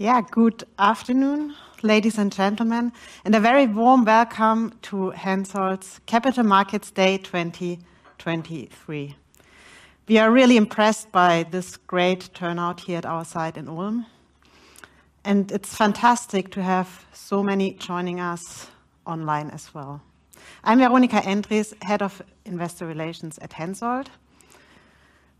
Yeah, good afternoon, ladies and gentlemen, and a very warm welcome to HENSOLDT's Capital Markets Days 2023. We are really impressed by this great turnout here at our site in Ulm, and it's fantastic to have so many joining us online as well. I'm Veronika Endres, Head of Investor Relations at HENSOLDT.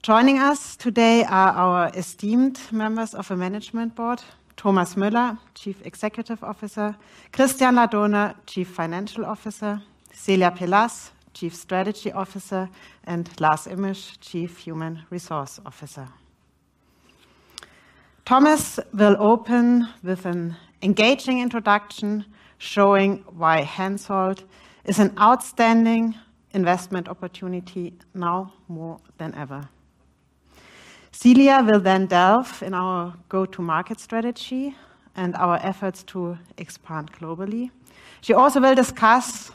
Joining us today are our esteemed members of the management board: Thomas Müller, Chief Executive Officer, Christian Ladurner, Chief Financial Officer, Celia Pelaz, Chief Strategy Officer, and Lars Immisch, Chief Human Resource Officer. Thomas will open with an engaging introduction, showing why HENSOLDT is an outstanding investment opportunity now more than ever. Celia will then delve in our go-to-market strategy and our efforts to expand globally. She also will discuss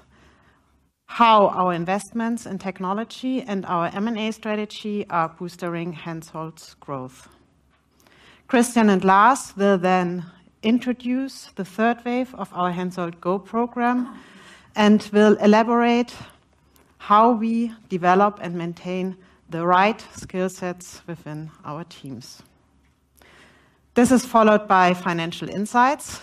how our investments in technology and our M&A strategy are boosting HENSOLDT's growth. Christian and Lars will then introduce the third wave of our HENSOLDT Go! program and will elaborate how we develop and maintain the right skill sets within our teams. This is followed by financial insights.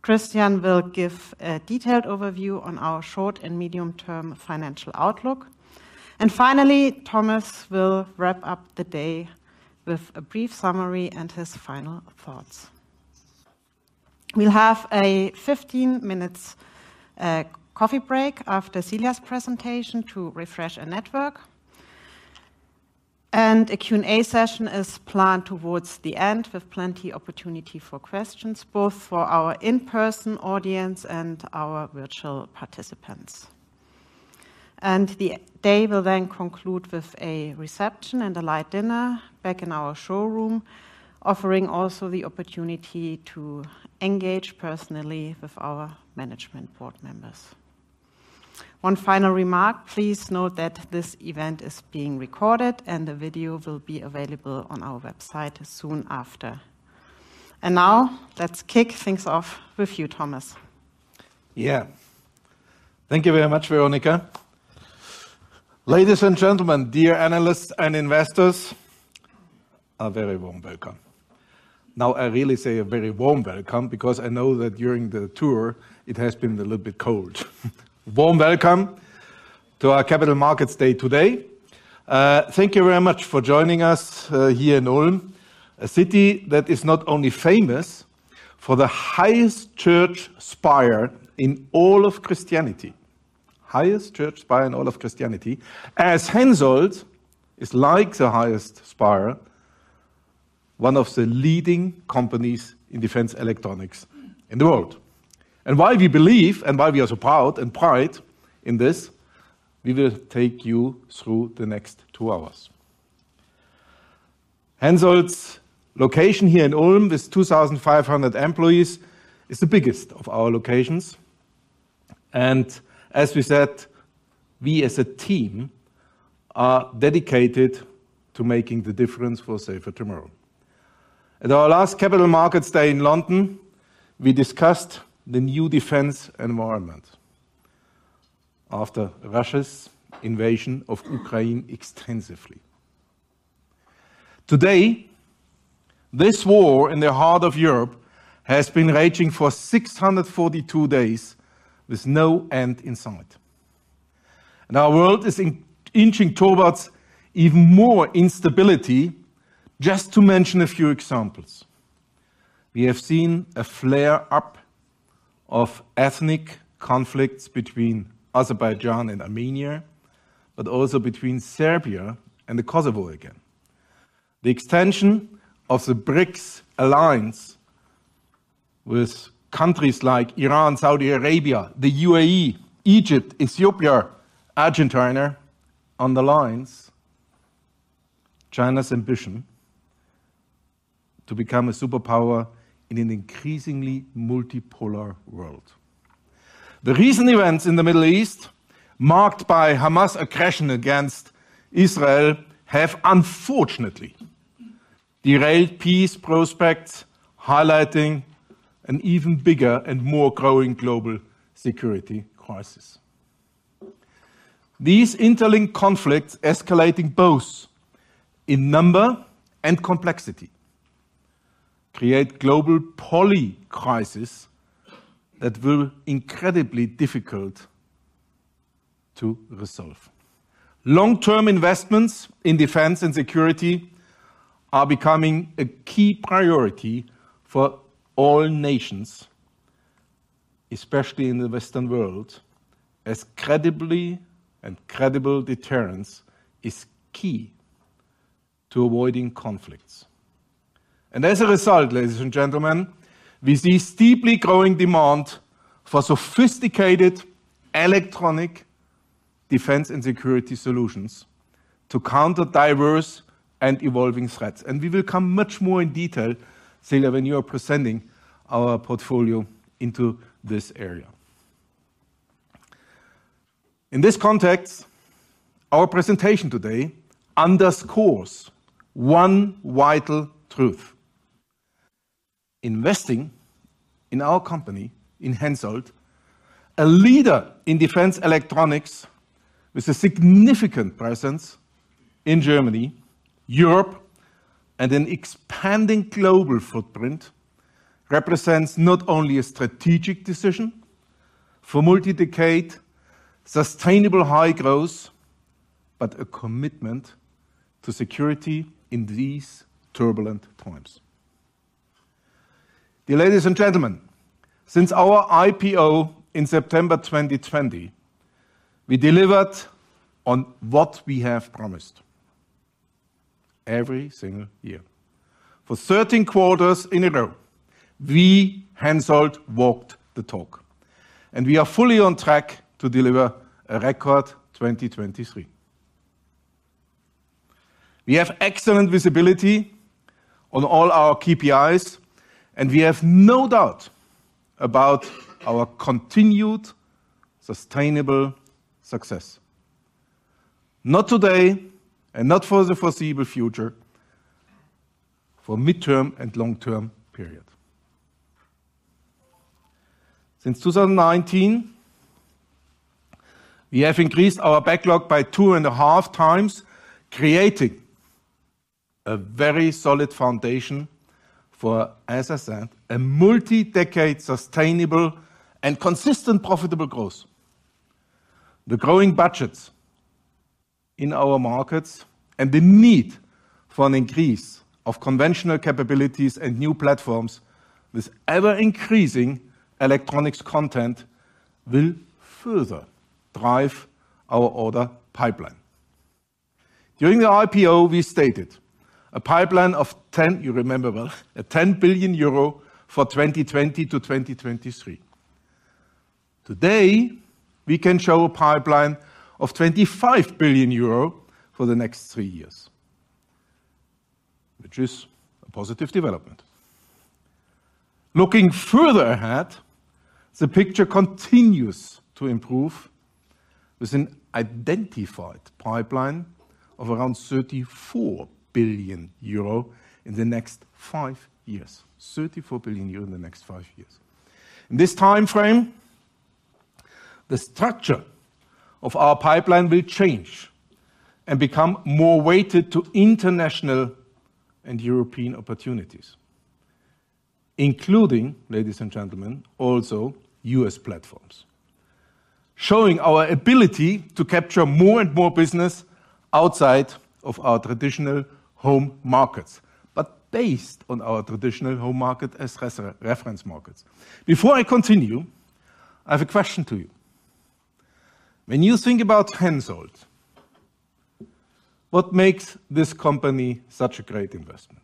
Christian will give a detailed overview on our short and medium-term financial outlook. Finally, Thomas will wrap up the day with a brief summary and his final thoughts. We'll have a 15 minute coffee break after Celia's presentation to refresh and network. A Q&A session is planned towards the end, with plenty opportunity for questions, both for our in-person audience and our virtual participants. The day will then conclude with a reception and a light dinner back in our showroom, offering also the opportunity to engage personally with our management board members. One final remark: please note that this event is being recorded, and the video will be available on our website soon after. And now, let's kick things off with you, Thomas. Yeah. Thank you very much, Veronika. Ladies and gentlemen, dear analysts and investors, a very warm welcome. Now, I really say a very warm welcome because I know that during the tour it has been a little bit cold. Warm welcome to our Capital Markets Days today. Thank you very much for joining us here in Ulm, a city that is not only famous for the highest church spire in all of Christianity, highest church spire in all of Christianity, as HENSOLDT is, like the highest spire, one of the leading companies in defense electronics in the world. And why we believe and why we are so proud and pride in this, we will take you through the next two hours. HENSOLDT's location here in Ulm, with 2,500 employees, is the biggest of our locations, and as we said, we as a team are dedicated to making the difference for a safer tomorrow. At our last Capital Markets Days in London, we discussed the new defense environment after Russia's invasion of Ukraine extensively. Today, this war in the heart of Europe has been raging for 642 days with no end in sight, and our world is inching towards even more instability. Just to mention a few examples, we have seen a flare up of ethnic conflicts between Azerbaijan and Armenia, but also between Serbia and Kosovo again. The extension of the BRICS alliance with countries like Iran, Saudi Arabia, the UAE, Egypt, Ethiopia, Argentina on the lines, China's ambition to become a superpower in an increasingly multipolar world. The recent events in the Middle East, marked by Hamas' aggression against Israel, have unfortunately derailed peace prospects, highlighting an even bigger and more growing global security crisis. These interlinked conflicts, escalating both in number and complexity, create global polycrisis that will incredibly difficult to resolve. Long-term investments in defense and security are becoming a key priority for all nations, especially in the Western world, as credibly and credible deterrence is key to avoiding conflicts. As a result, ladies and gentlemen, we see steeply growing demand for sophisticated electronic defense and security solutions to counter diverse and evolving threats. We will come much more in detail, Celia, when you are presenting our portfolio into this area. In this context, our presentation today underscores one vital truth: investing in our company, in HENSOLDT, a leader in defense electronics with a significant presence in Germany, Europe, and an expanding global footprint, represents not only a strategic decision for multi-decade, sustainable high growth, but a commitment to security in these turbulent times. Dear ladies and gentlemen, since our IPO in September 2020, we delivered on what we have promised every single year. For 13 quarters in a row, we, HENSOLDT, walked the talk, and we are fully on track to deliver a record 2023. We have excellent visibility on all our KPIs, and we have no doubt about our continued sustainable success, not today and not for the foreseeable future, for midterm and long-term period. Since 2019, we have increased our backlog by 2.5x, creating a very solid foundation for, as I said, a multi-decade, sustainable and consistent profitable growth. The growing budgets in our markets and the need for an increase of conventional capabilities and new platforms with ever-increasing electronics content will further drive our order pipeline. During the IPO, we stated a pipeline of 10, you remember well, a 10 billion euro for 2020 to 2023. Today, we can show a pipeline of 25 billion euro for the next three years, which is a positive development. Looking further ahead, the picture continues to improve with an identified pipeline of around 34 billion euro in the next five years. 34 billion euro in the next five years. In this time frame, the structure of our pipeline will change and become more weighted to international and European opportunities, including, ladies and gentlemen, also U.S. platforms, showing our ability to capture more and more business outside of our traditional home markets, but based on our traditional home market as reference markets. Before I continue, I have a question to you. When you think about HENSOLDT, what makes this company such a great investment?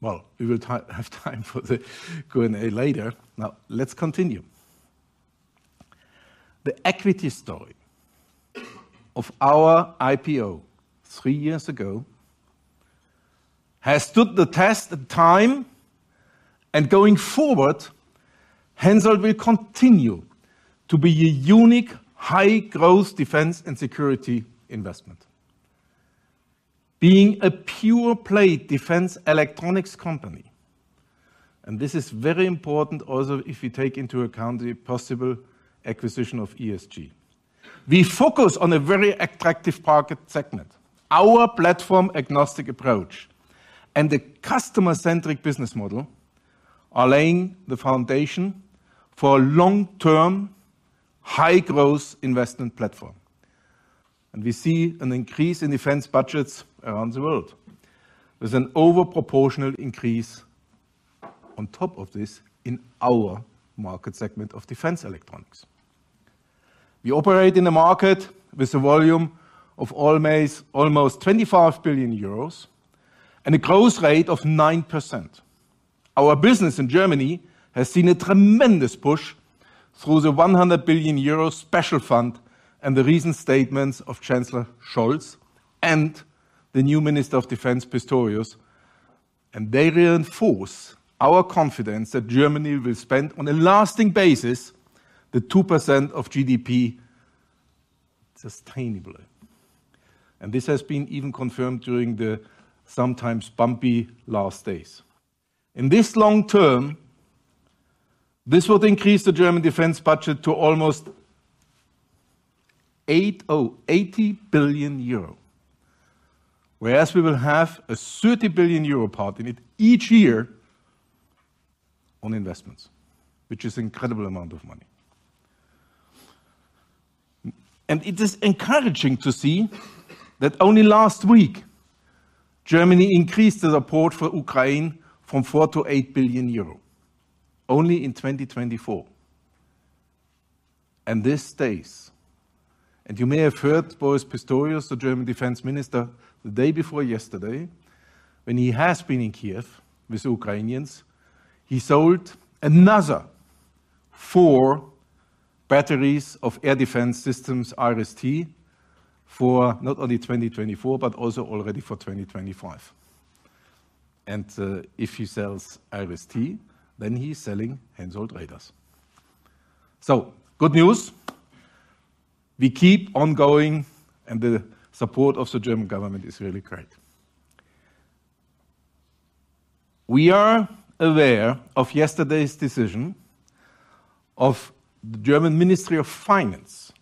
Well, we will have time for the Q&A later. Now, let's continue. The equity story of our IPO three years ago has stood the test of time, and going forward, HENSOLDT will continue to be a unique, high-growth defense and security investment. Being a pure-play defense electronics company, and this is very important also if you take into account the possible acquisition of ESG, we focus on a very attractive market segment. Our platform-agnostic approach and the customer-centric business model are laying the foundation for a long-term, high-growth investment platform. We see an increase in defense budgets around the world, with an overproportional increase on top of this in our market segment of defense electronics. We operate in a market with a volume of almost 25 billion euros and a growth rate of 9%. Our business in Germany has seen a tremendous push through the 100 billion euro special fund and the recent statements of Chancellor Scholz and the new Minister of Defense, Pistorius, and they reinforce our confidence that Germany will spend on a lasting basis the 2% of GDP sustainably. This has been even confirmed during the sometimes bumpy last days. In this long term, this will increase the German defense budget to almost 80 billion euro, whereas we will have a 30 billion euro part in it each year on investments, which is incredible amount of money. It is encouraging to see that only last week, Germany increased the support for Ukraine from 4 billion to 8 billion euro, only in 2024. This stays. You may have heard Boris Pistorius, the German Defense Minister, the day before yesterday, when he has been in Kiev with Ukrainians, he sold another four batteries of air defense systems, IRIS-T, for not only 2024, but also already for 2025... and, if he sells IRIS-T, then he's selling HENSOLDT radars. So good news, we keep on going, and the support of the German government is really great. We are aware of yesterday's decision of the German Ministry of Finance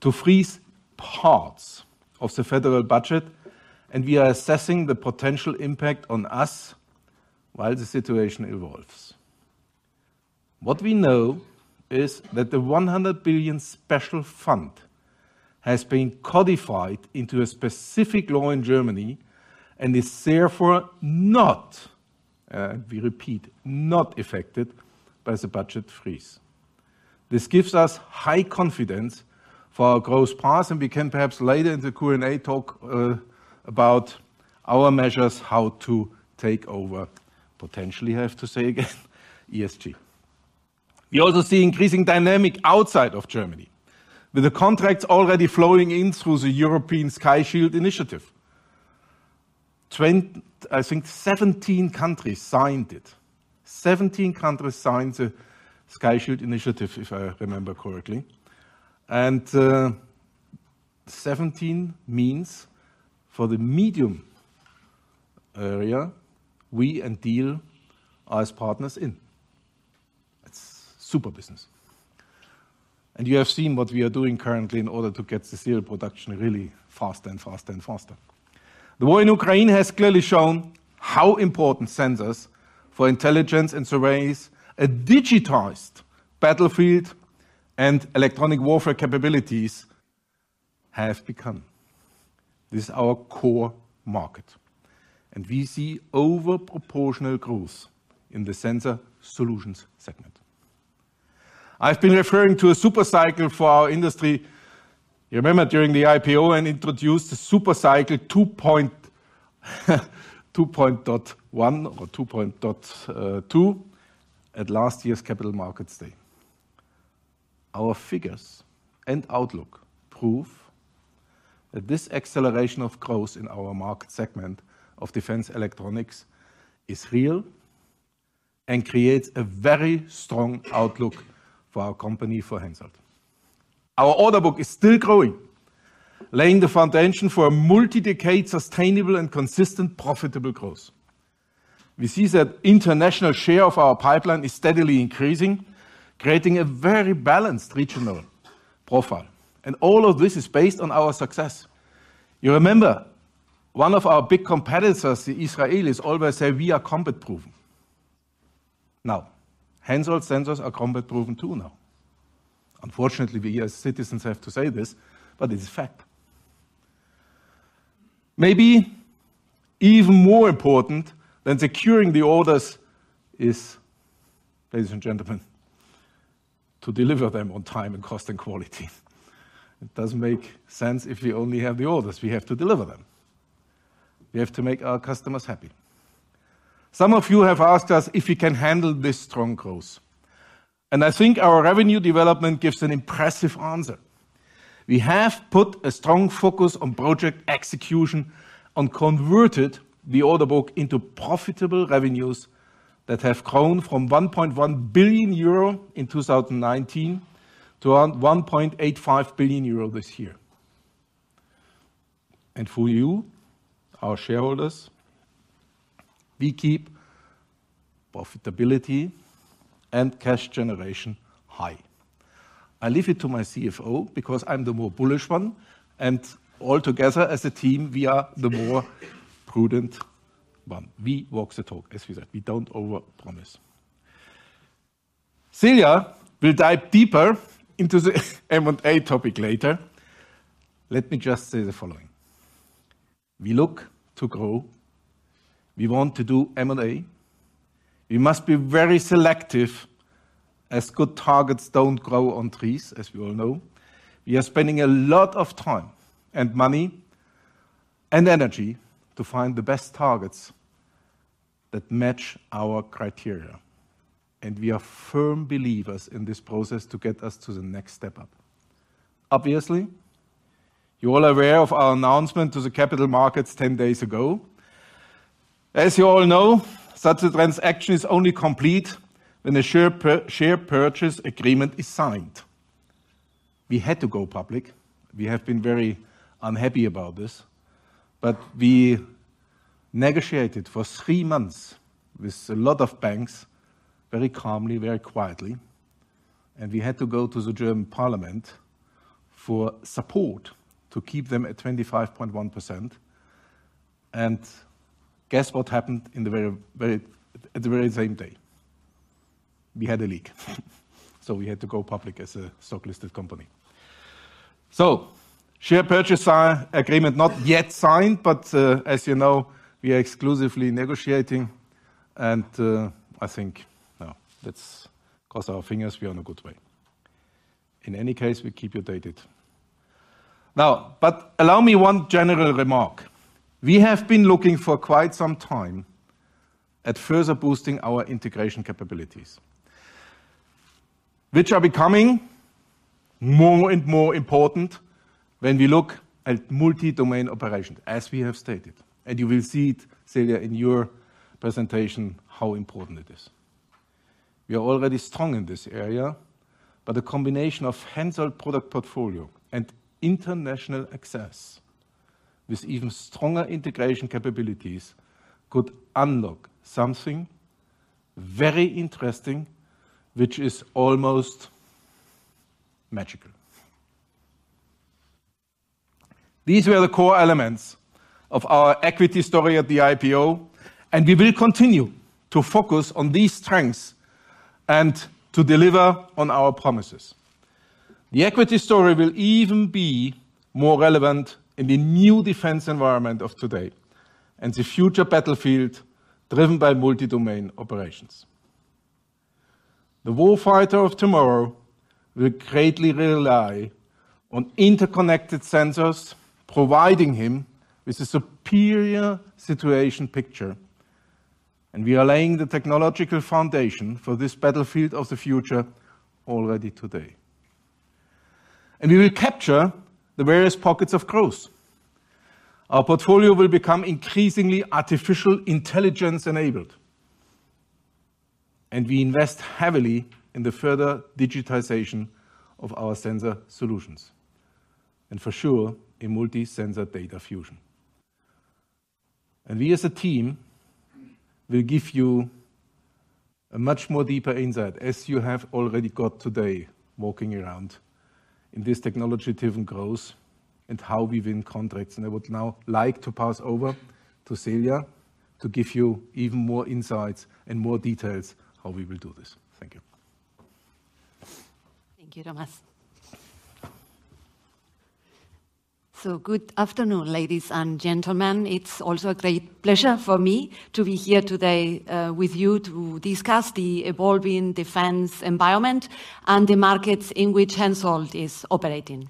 to freeze parts of the federal budget, and we are assessing the potential impact on us while the situation evolves. What we know is that the 100 billion special fund has been codified into a specific law in Germany and is therefore not, we repeat, not affected by the budget freeze. This gives us high confidence for our growth path, and we can perhaps later in the Q&A talk about our measures, how to take over, potentially, I have to say again, ESG. We also see increasing dynamic outside of Germany, with the contracts already flowing in through the European Sky Shield Initiative. I think 17 countries signed it. 17 countries signed the Sky Shield Initiative, if I remember correctly. 17 means for the medium area, we and Diehl are as partners in. It's super business. And you have seen what we are doing currently in order to get the serial production really faster and faster and faster. The war in Ukraine has clearly shown how important sensors for intelligence and surveillance, a digitized battlefield, and electronic warfare capabilities have become. This is our core market, and we see over proportional growth in the sensor solutions segment. I've been referring to a super cycle for our industry. You remember during the IPO, I introduced the super cycle 2.0, 2.1 or 2.2 at last year's Capital Markets Days. Our figures and outlook prove that this acceleration of growth in our market segment of defense electronics is real and creates a very strong outlook for our company, for HENSOLDT. Our order book is still growing, laying the foundation for a multi-decade, sustainable, and consistent, profitable growth. We see that international share of our pipeline is steadily increasing, creating a very balanced regional profile, and all of this is based on our success. You remember, one of our big competitors, the Israelis, always say, "We are combat proven." Now, HENSOLDT sensors are combat proven, too, now. Unfortunately, we as citizens, have to say this, but it is a fact. Maybe even more important than securing the orders is, ladies and gentlemen, to deliver them on time and cost and quality. It doesn't make sense if we only have the orders, we have to deliver them. We have to make our customers happy. Some of you have asked us if we can handle this strong growth, and I think our revenue development gives an impressive answer. We have put a strong focus on project execution and converted the order book into profitable revenues that have grown from 1.1 billion euro in 2019 to around 1.85 billion euro this year. For you, our shareholders, we keep profitability and cash generation high. I leave it to my CFO because I'm the more bullish one, and all together as a team, we are the more prudent one. We walk the talk, as we said, we don't overpromise. Celia will dive deeper into the M&A topic later. Let me just say the following: We look to grow. We want to do M&A. We must be very selective, as good targets don't grow on trees, as we all know. We are spending a lot of time and money and energy to find the best targets that match our criteria, and we are firm believers in this process to get us to the next step up. Obviously, you're all aware of our announcement to the capital markets ten days ago. As you all know, such a transaction is only complete when the share purchase agreement is signed. We had to go public. We have been very unhappy about this, but we negotiated for three months with a lot of banks, very calmly, very quietly, and we had to go to the German parliament for support to keep them at 25.1%. And guess what happened in the very same day? We had a leak, so we had to go public as a stock-listed company. So Share Purchase Agreement, not yet signed, but, as you know, we are exclusively negotiating and, I think, well, let's cross our fingers we are on a good way. In any case, we keep you updated. Now, but allow me one general remark. We have been looking for quite some time at further boosting our integration capabilities, which are becoming more and more important when we look at multi-domain operations, as we have stated, and you will see it, Celia, in your presentation, how important it is. We are already strong in this area, but the combination of HENSOLDT product portfolio and international access with even stronger integration capabilities could unlock something very interesting, which is almost magical. These were the core elements of our equity story at the IPO, and we will continue to focus on these strengths and to deliver on our promises. The equity story will even be more relevant in the new defense environment of today, and the future battlefield driven by Multi-Domain Operations. The warfighter of tomorrow will greatly rely on interconnected sensors, providing him with a superior situation picture, and we are laying the technological foundation for this battlefield of the future already today. We will capture the various pockets of growth. Our portfolio will become increasingly Artificial Intelligence-enabled, and we invest heavily in the further digitization of our sensor solutions, and for sure, in multi-sensor data fusion. We as a team will give you a much more deeper insight, as you have already got today, walking around in this technology-driven growth and how we win contracts. I would now like to pass over to Celia to give you even more insights and more details how we will do this. Thank you. Thank you, Thomas. So good afternoon, ladies and gentlemen. It's also a great pleasure for me to be here today with you to discuss the evolving defense environment and the markets in which HENSOLDT is operating.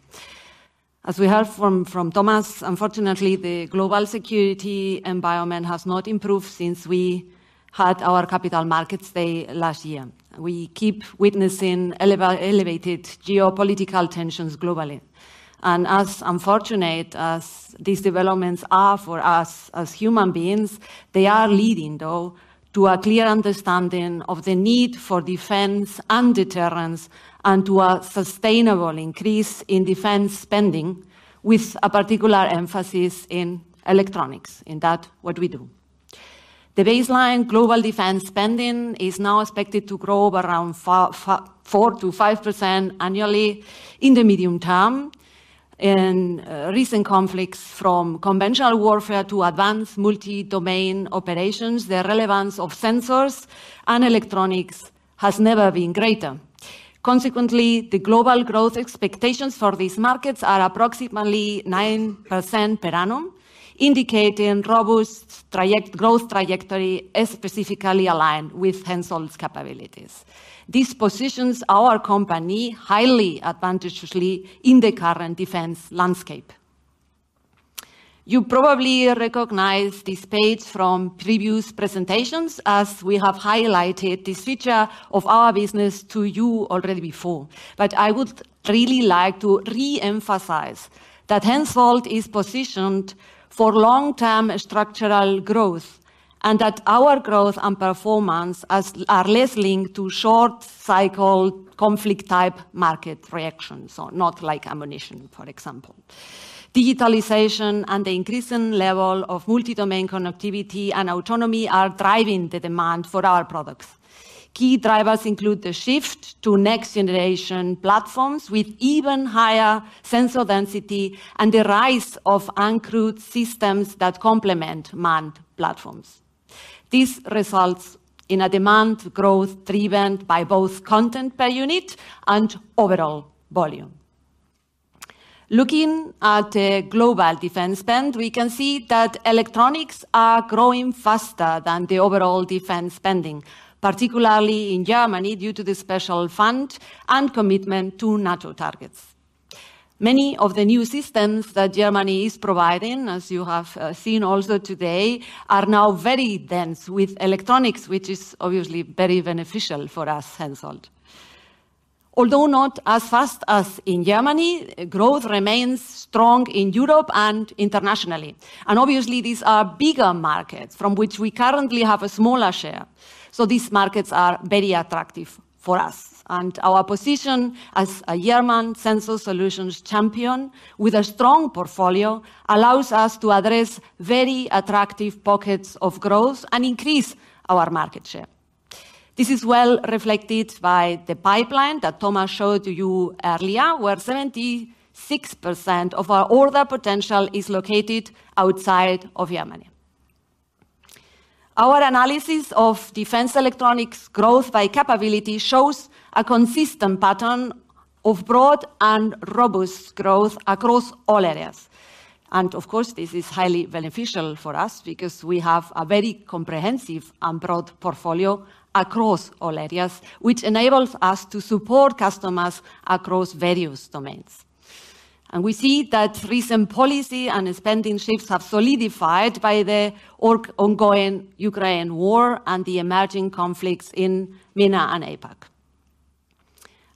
As we heard from Thomas, unfortunately, the global security environment has not improved since we had our Capital Markets Days last year. We keep witnessing elevated geopolitical tensions globally. And as unfortunate as these developments are for us as human beings, they are leading, though, to a clear understanding of the need for defense and deterrence and to a sustainable increase in defense spending, with a particular emphasis in electronics, in that what we do. The baseline global defense spending is now expected to grow by around 4%-5% annually in the medium term. In recent conflicts, from conventional warfare to advanced multi-domain operations, the relevance of sensors and electronics has never been greater. Consequently, the global growth expectations for these markets are approximately 9% per annum, indicating robust growth trajectory is specifically aligned with HENSOLDT's capabilities. This positions our company highly advantageously in the current defense landscape. You probably recognize this page from previous presentations, as we have highlighted this feature of our business to you already before. But I would really like to re-emphasize that HENSOLDT is positioned for long-term structural growth, and that our growth and performance are less linked to short-cycle, conflict-type market reactions, so not like ammunition, for example. Digitalization and the increasing level of multi-domain connectivity and autonomy are driving the demand for our products. Key drivers include the shift to next-generation platforms with even higher sensor density and the rise of uncrewed systems that complement manned platforms. This results in a demand growth driven by both content per unit and overall volume. Looking at the global defense spend, we can see that electronics are growing faster than the overall defense spending, particularly in Germany, due to the special fund and commitment to NATO targets. Many of the new systems that Germany is providing, as you have seen also today, are now very dense with electronics, which is obviously very beneficial for us, HENSOLDT. Although not as fast as in Germany, growth remains strong in Europe and internationally, and obviously, these are bigger markets from which we currently have a smaller share. So these markets are very attractive for us, and our position as a German sensor solutions champion with a strong portfolio allows us to address very attractive pockets of growth and increase our market share. This is well reflected by the pipeline that Thomas showed to you earlier, where 76% of our order potential is located outside of Germany. Our analysis of defense electronics growth by capability shows a consistent pattern of broad and robust growth across all areas. And of course, this is highly beneficial for us because we have a very comprehensive and broad portfolio across all areas, which enables us to support customers across various domains. We see that recent policy and spending shifts have solidified by the ongoing Ukraine war and the emerging conflicts in MENA and APAC.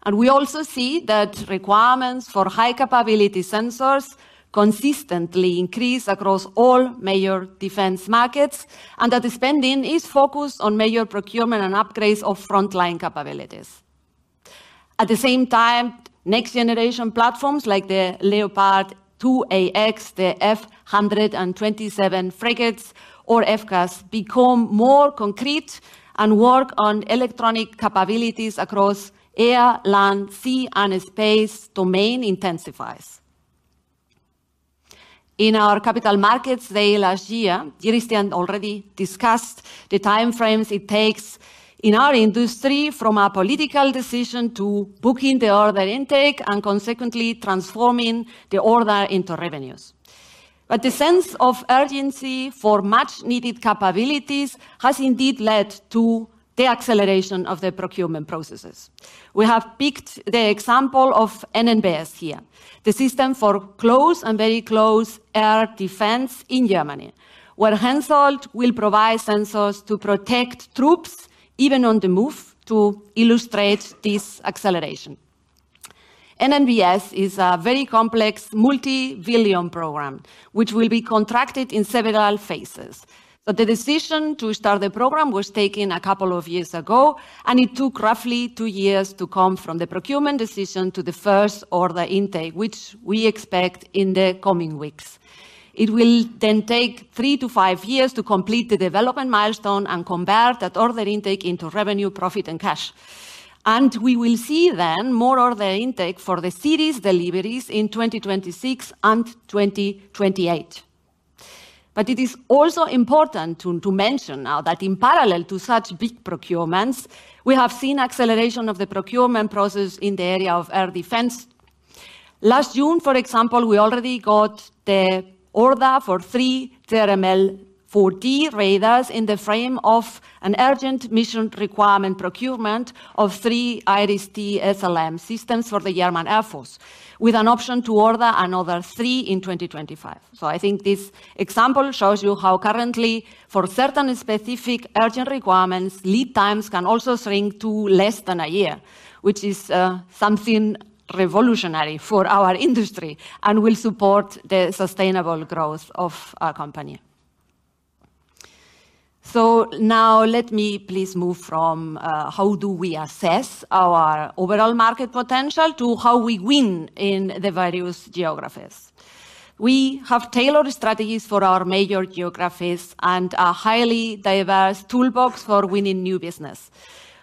We also see that requirements for high-capability sensors consistently increase across all major defense markets, and that the spending is focused on major procurement and upgrades of frontline capabilities. At the same time, next-generation platforms like the Leopard 2AX, the F127 frigates or FCAS become more concrete and work on electronic capabilities across air, land, sea, and space domain intensifies. In our Capital Markets Days last year, Christian already discussed the time frames it takes in our industry from a political decision to booking the order intake and consequently transforming the order into revenues. But the sense of urgency for much-needed capabilities has indeed led to the acceleration of the procurement processes. We have picked the example of NNBS here, the system for close and very close air defense in Germany, where HENSOLDT will provide sensors to protect troops, even on the move, to illustrate this acceleration. NNBS is a very complex, multi-billion program, which will be contracted in several phases. But the decision to start the program was taken a couple of years ago, and it took roughly two years to come from the procurement decision to the first order intake, which we expect in the coming weeks. It will then take three to five years to complete the development milestone and convert that order intake into revenue, profit, and cash. And we will see then more order intake for the series deliveries in 2026 and 2028. But it is also important to mention now that in parallel to such big procurements, we have seen acceleration of the procurement process in the area of air defense. Last June, for example, we already got the order for three TRML-4D radars in the frame of an urgent mission requirement procurement of three IRIS-T SLM systems for the German Air Force, with an option to order another three in 2025. So I think this example shows you how currently, for certain specific urgent requirements, lead times can also shrink to less than a year, which is something revolutionary for our industry and will support the sustainable growth of our company. Now let me please move from how do we assess our overall market potential to how we win in the various geographies. We have tailored strategies for our major geographies and a highly diverse toolbox for winning new business.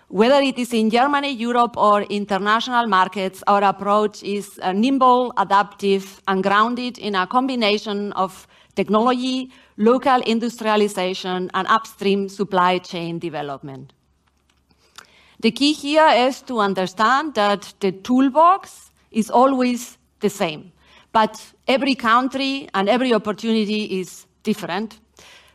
Whether it is in Germany, Europe, or international markets, our approach is, nimble, adaptive, and grounded in a combination of technology, local industrialization, and upstream supply chain development. The key here is to understand that the toolbox is always the same, but every country and every opportunity is different.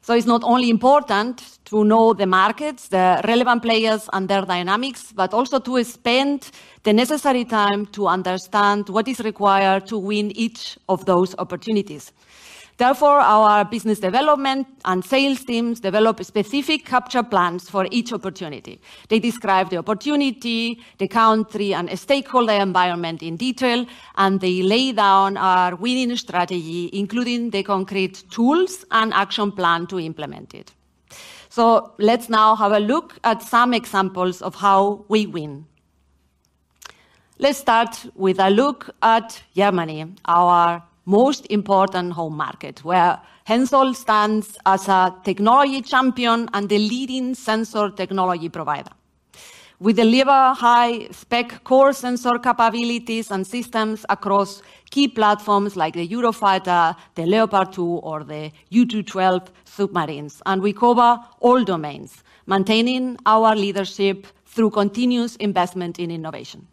So it's not only important to know the markets, the relevant players, and their dynamics, but also to spend the necessary time to understand what is required to win each of those opportunities. Therefore, our business development and sales teams develop specific capture plans for each opportunity. They describe the opportunity, the country, and a stakeholder environment in detail, and they lay down our winning strategy, including the concrete tools and action plan to implement it. So let's now have a look at some examples of how we win. Let's start with a look at Germany, our most important home market, where HENSOLDT stands as a technology champion and the leading sensor technology provider. We deliver high-spec core sensor capabilities and systems across key platforms like the Eurofighter, the Leopard 2, or the U212A submarines, and we cover all domains, maintaining our leadership through continuous investment in innovation.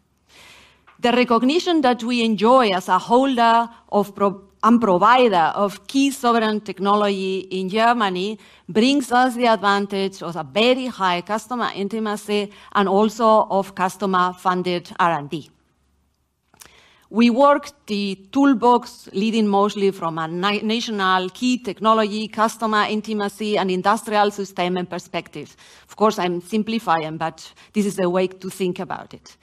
The recognition that we enjoy as a holder of proprietary and provider of key sovereign technology in Germany brings us the advantage of a very high customer intimacy and also of customer-funded R&D. We work the toolbox leading mostly from a national key technology, customer intimacy, and industrial system and perspective. Of course, I'm simplifying, but this is a way to think about it.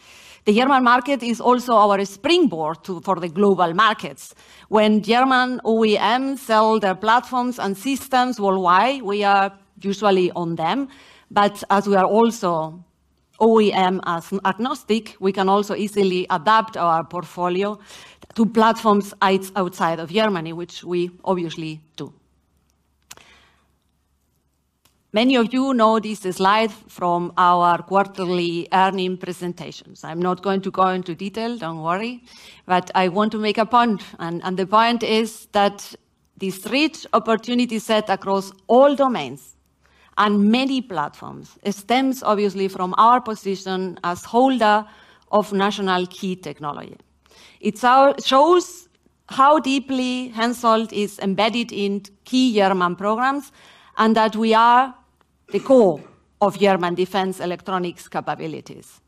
The German market is also our springboard to the global markets. When German OEM sell their platforms and systems worldwide, we are usually on them. But as we are also OEM as agnostic, we can also easily adapt our portfolio to platforms outside of Germany, which we obviously do. Many of you know this slide from our quarterly earnings presentations. I'm not going to go into detail, don't worry, but I want to make a point, and, and the point is that this rich opportunity set across all domains and many platforms, it stems obviously from our position as holder of national key technology. It's our shows how deeply HENSOLDT is embedded in key German programs, and that we are the core of German defense electronics capabilities.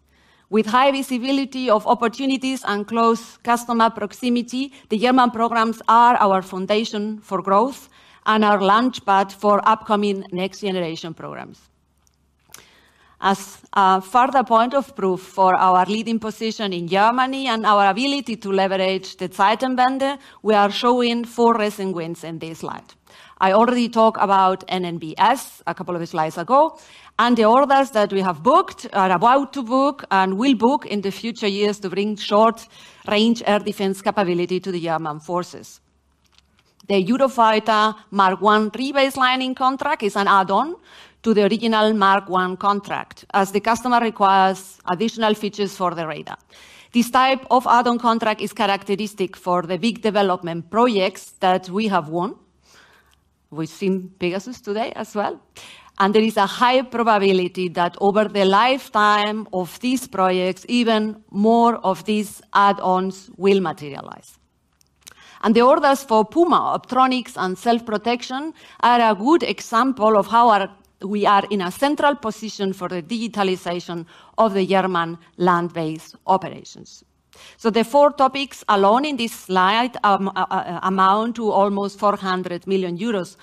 With high visibility of opportunities and close customer proximity, the German programs are our foundation for growth and our launchpad for upcoming next-generation programs. As a further point of proof for our leading position in Germany and our ability to leverage the Zeitenwende, we are showing four recent wins in this slide. I already talked about NNBS a couple of slides ago, and the orders that we have booked, are about to book, and will book in the future years to bring short-range air defense capability to the German forces. The Eurofighter Mark 1 rebaselining contract is an add-on to the original Mark 1 contract, as the customer requires additional features for the radar. This type of add-on contract is characteristic for the big development projects that we have won. We've seen PEGASUS today as well, and there is a high probability that over the lifetime of these projects, even more of these add-ons will materialize. And the orders for Puma Optronics and Self-Protection are a good example of how we are in a central position for the digitalization of the German land-based operations. So the four topics alone in this slide amount to almost 400 million euros,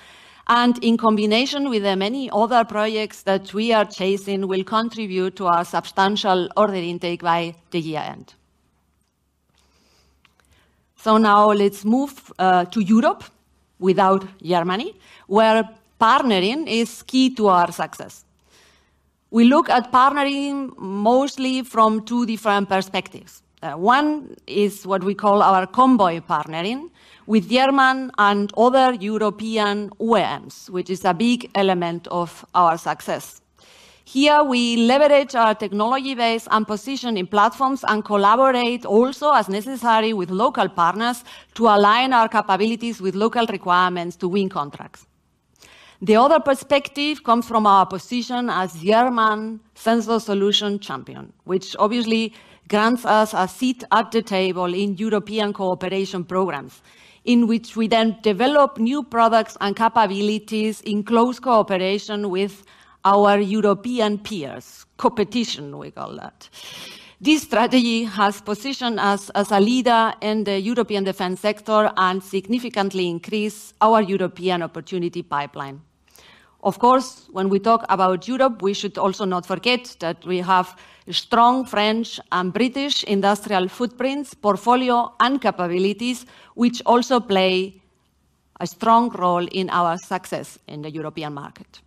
and in combination with the many other projects that we are chasing, will contribute to our substantial order intake by the year end. So now let's move to Europe without Germany, where partnering is key to our success. We look at partnering mostly from two different perspectives. One is what we call our Convoy partnering with German and other European OEMs, which is a big element of our success. Here, we leverage our technology base and position in platforms and collaborate also as necessary with local partners to align our capabilities with local requirements to win contracts. The other perspective comes from our position as German Sensor Solution Champion, which obviously grants us a seat at the table in European cooperation programs, in which we then develop new products and capabilities in close cooperation with our European peers. Competition, we call that. This strategy has positioned us as a leader in the European defense sector and significantly increase our European opportunity pipeline. Of course, when we talk about Europe, we should also not forget that we have strong French and British industrial footprints, portfolio, and capabilities, which also play a strong role in our success in the European market.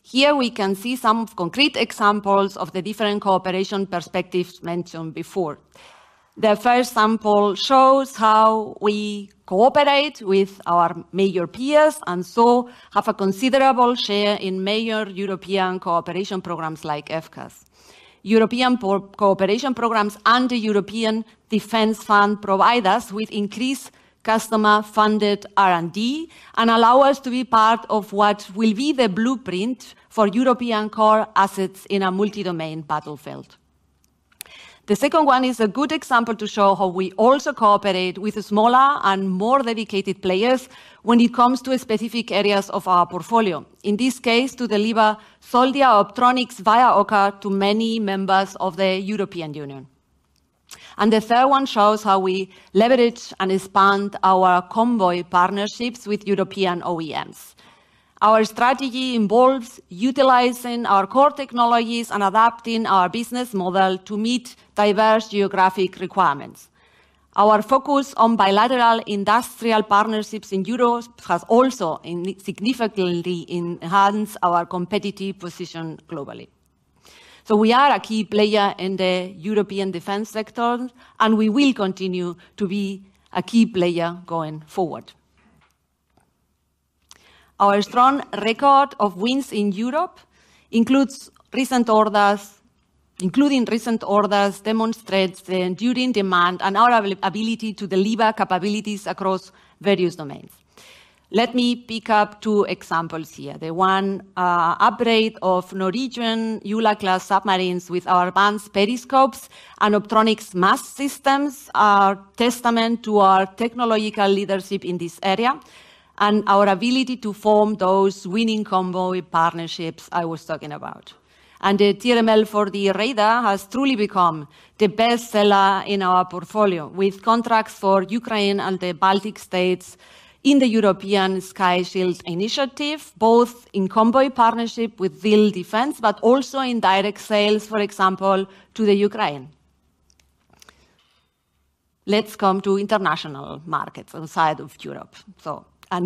Here, we can see some concrete examples of the different cooperation perspectives mentioned before. The first sample shows how we cooperate with our major peers and so have a considerable share in major European cooperation programs like FCAS. European procurement cooperation programs and the European Defense Fund provide us with increased customer-funded R&D and allow us to be part of what will be the blueprint for European core assets in a multi-domain battlefield. The second one is a good example to show how we also cooperate with the smaller and more dedicated players when it comes to specific areas of our portfolio. In this case, to deliver Soldier Optronics via OCCAR to many members of the European Union. The third one shows how we leverage and expand our convoy partnerships with European OEMs. Our strategy involves utilizing our core technologies and adapting our business model to meet diverse geographic requirements. Our focus on bilateral industrial partnerships in Europe has also significantly enhanced our competitive position globally. So we are a key player in the European defense sector, and we will continue to be a key player going forward. Our strong record of wins in Europe includes recent orders, demonstrates the enduring demand and our ability to deliver capabilities across various domains. Let me pick up two examples here. The one, upgrade of Norwegian Ula-class submarines with our advanced periscopes and optronics mast systems are testament to our technological leadership in this area and our ability to form those winning Convoy partnerships I was talking about. And the TRML-4D radar has truly become the best seller in our portfolio, with contracts for Ukraine and the Baltic states in the European Sky Shield Initiative, both in Convoy partnership with Diehl Defence, but also in direct sales, for example, to the Ukraine. Let's come to international markets outside of Europe.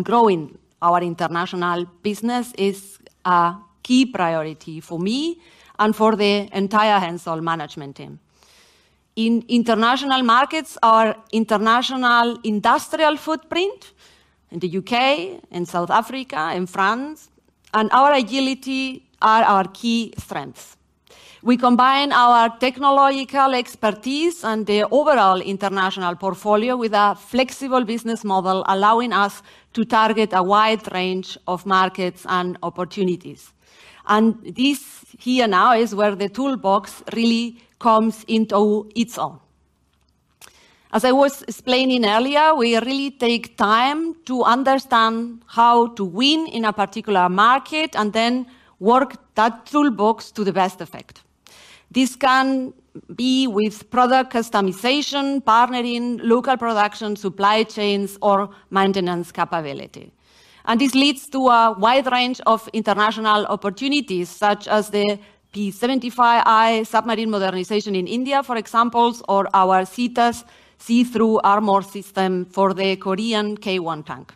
Growing our international business is a key priority for me and for the entire HENSOLDT management team. In international markets, our international industrial footprint in the U.K., in South Africa, in France, and our agility are our key strengths. We combine our technological expertise and the overall international portfolio with a flexible business model, allowing us to target a wide range of markets and opportunities. This here now is where the toolbox really comes into its own. As I was explaining earlier, we really take time to understand how to win in a particular market and then work that toolbox to the best effect. This can be with product customization, partnering, local production, supply chains, or maintenance capability. And this leads to a wide range of international opportunities, such as the P-75I submarine modernization in India, for example, or our SETAS see-through armor system for the Korean K1 tank.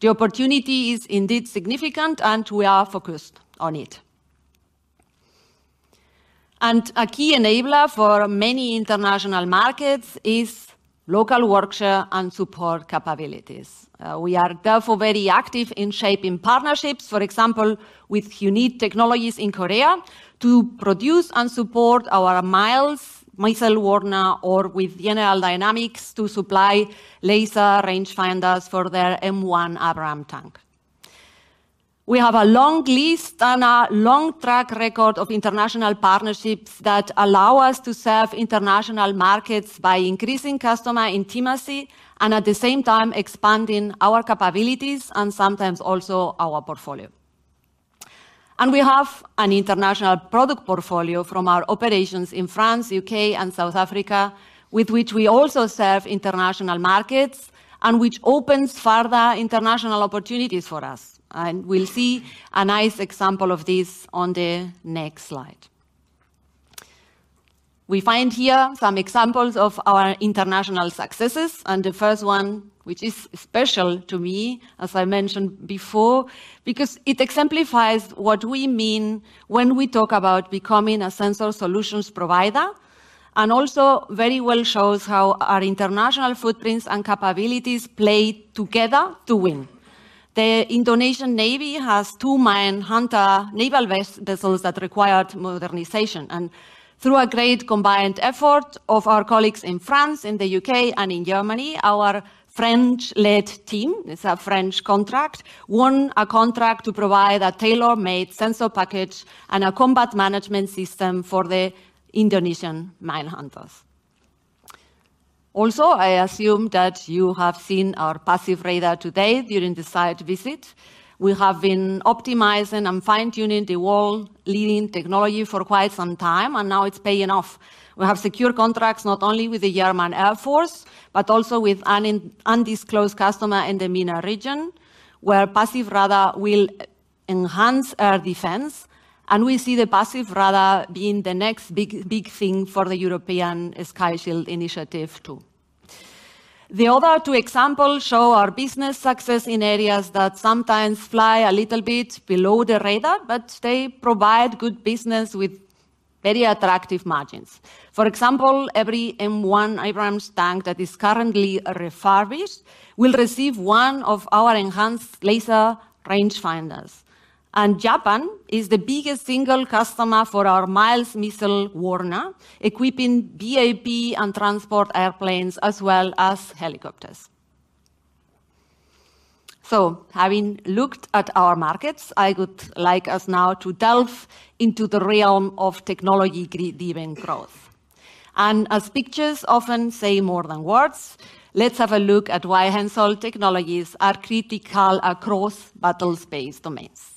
The opportunity is indeed significant, and we are focused on it. And a key enabler for many international markets is local workshop and support capabilities. We are therefore very active in shaping partnerships, for example, with Huneed Technologies in Korea, to produce and support our MILDS missile warner or with General Dynamics to supply laser rangefinders for their M1 Abrams tank. We have a long list and a long track record of international partnerships that allow us to serve international markets by increasing customer intimacy and at the same time expanding our capabilities and sometimes also our portfolio. We have an international product portfolio from our operations in France, U.K., and South Africa, with which we also serve international markets and which opens further international opportunities for us, and we'll see a nice example of this on the next slide. We find here some examples of our international successes, and the first one, which is special to me, as I mentioned before, because it exemplifies what we mean when we talk about becoming a sensor solutions provider, and also very well shows how our international footprints and capabilities play together to win. The Indonesian Navy has two mine hunter naval vessels that required modernization, and through a great combined effort of our colleagues in France, in the U.K., and in Germany, our French-led team, it's a French contract, won a contract to provide a tailor-made sensor package and a combat management system for the Indonesian mine hunters. Also, I assume that you have seen our passive radar today during the site visit. We have been optimizing and fine-tuning the world-leading technology for quite some time, and now it's paying off. We have secure contracts, not only with the German Air Force, but also with an undisclosed customer in the MENA region, where passive radar will enhance air defense, and we see the passive radar being the next big, big thing for the European Sky Shield Initiative, too. The other two examples show our business success in areas that sometimes fly a little bit below the radar, but they provide good business with very attractive margins. For example, every M1 Abrams tank that is currently refurbished will receive one of our enhanced laser rangefinders. Japan is the biggest single customer for our MILDS missile warner, equipping VIP and transport airplanes as well as helicopters. Having looked at our markets, I would like us now to delve into the realm of technology-driven growth. As pictures often say more than words, let's have a look at why HENSOLDT technologies are critical across battlespace domains.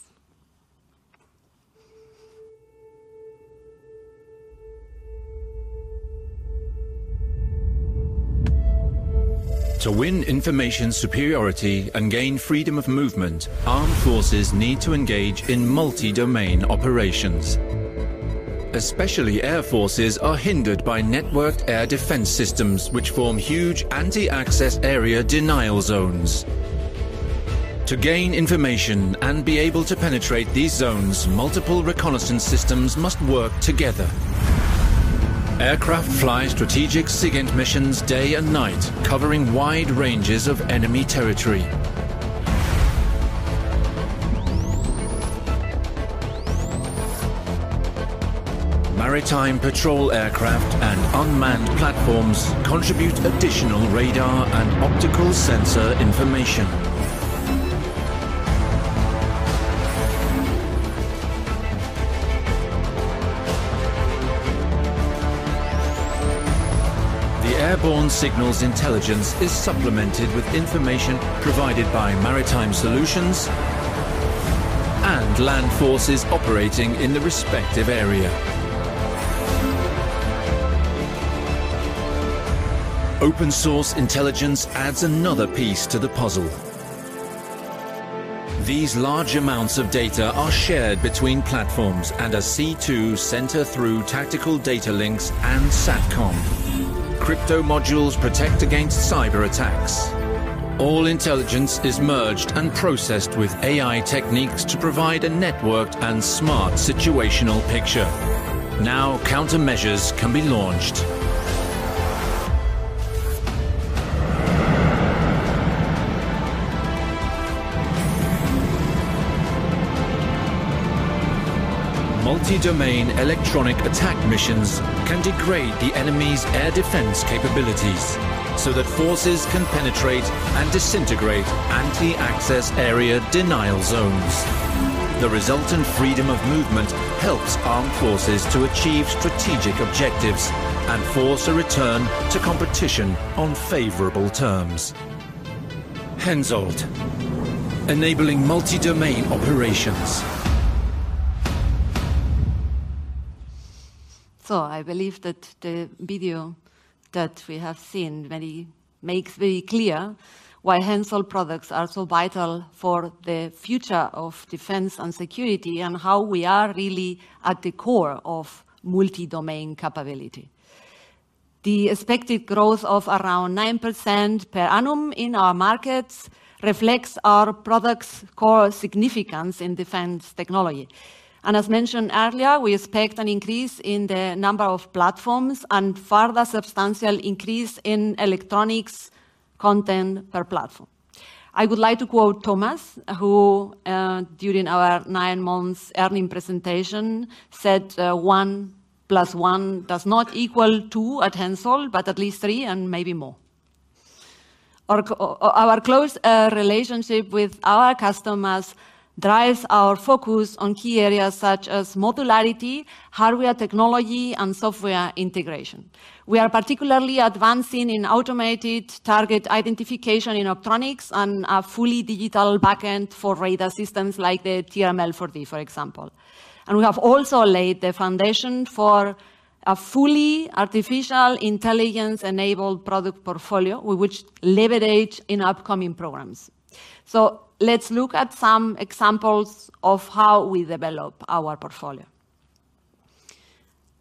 To win information superiority and gain freedom of movement, armed forces need to engage in multi-domain operations. Especially, air forces are hindered by networked air defense systems, which form huge anti-access area denial zones. To gain information and be able to penetrate these zones, multiple reconnaissance systems must work together. Aircraft fly strategic SIGINT missions day and night, covering wide ranges of enemy territory. Maritime patrol aircraft and unmanned platforms contribute additional radar and optical sensor information. The airborne signals intelligence is supplemented with information provided by maritime solutions and land forces operating in the respective area. Open-source intelligence adds another piece to the puzzle. These large amounts of data are shared between platforms and a C2 center through tactical data links and SATCOM. Crypto modules protect against cyberattacks. All intelligence is merged and processed with AI techniques to provide a networked and smart situational picture. Now, countermeasures can be launched. Multi-domain electronic attack missions can degrade the enemy's air defense capabilities so that forces can penetrate and disintegrate anti-access area denial zones. The resultant freedom of movement helps armed forces to achieve strategic objectives and force a return to competition on favorable terms. HENSOLDT, enabling multi-domain operations. So I believe that the video that we have seen makes very clear why HENSOLDT products are so vital for the future of defense and security, and how we are really at the core of multi-domain capability. The expected growth of around 9% per annum in our markets reflects our products' core significance in defense technology. As mentioned earlier, we expect an increase in the number of platforms and further substantial increase in electronics content per platform. I would like to quote Thomas, who during our nine months earnings presentation, said, "One plus one does not equal two at HENSOLDT, but at least three and maybe more." Our close relationship with our customers drives our focus on key areas such as modularity, hardware technology, and software integration. We are particularly advancing in automated target identification in optronics and a fully digital backend for radar systems like the TRML-4D, for example. We have also laid the foundation for a fully artificial intelligence-enabled product portfolio, which we leverage in upcoming programs. Let's look at some examples of how we develop our portfolio.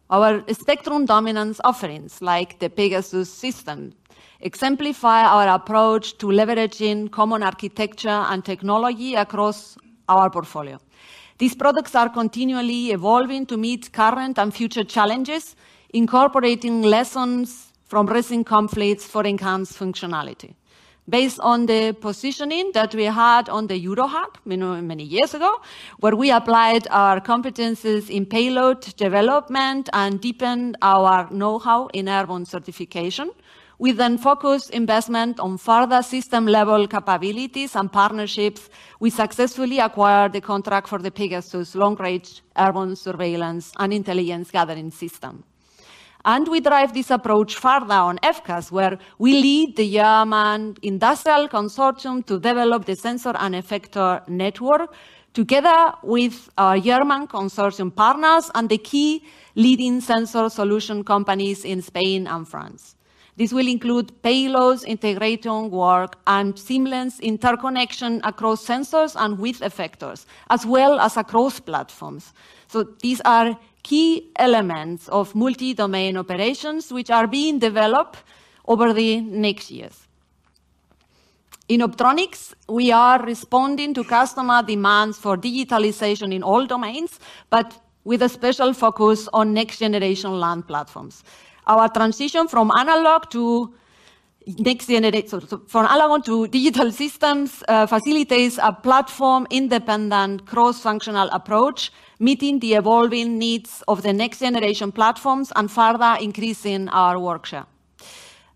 Our spectrum dominance offerings, like the Pegasus system, exemplify our approach to leveraging common architecture and technology across our portfolio. These products are continually evolving to meet current and future challenges, incorporating lessons from recent conflicts for enhanced functionality. Based on the positioning that we had on the Euro Hawk many, many years ago, where we applied our competencies in payload development and deepened our know-how in airborne certification, we then focused investment on further system-level capabilities and partnerships. We successfully acquired the contract for the Pegasus long-range airborne surveillance and intelligence gathering system. We drive this approach further on FCAS, where we lead the German Industrial Consortium to develop the sensor and effector network together with our German consortium partners and the key leading sensor solution companies in Spain and France. This will include payloads, integration work, and seamless interconnection across sensors and with effectors, as well as across platforms. These are key elements of multi-domain operations, which are being developed over the next years. In Optronics, we are responding to customer demands for digitalization in all domains, but with a special focus on next-generation land platforms. Our transition from analog to next generation, so from analog to digital systems, facilitates a platform-independent, cross-functional approach, meeting the evolving needs of the next-generation platforms and further increasing our work share.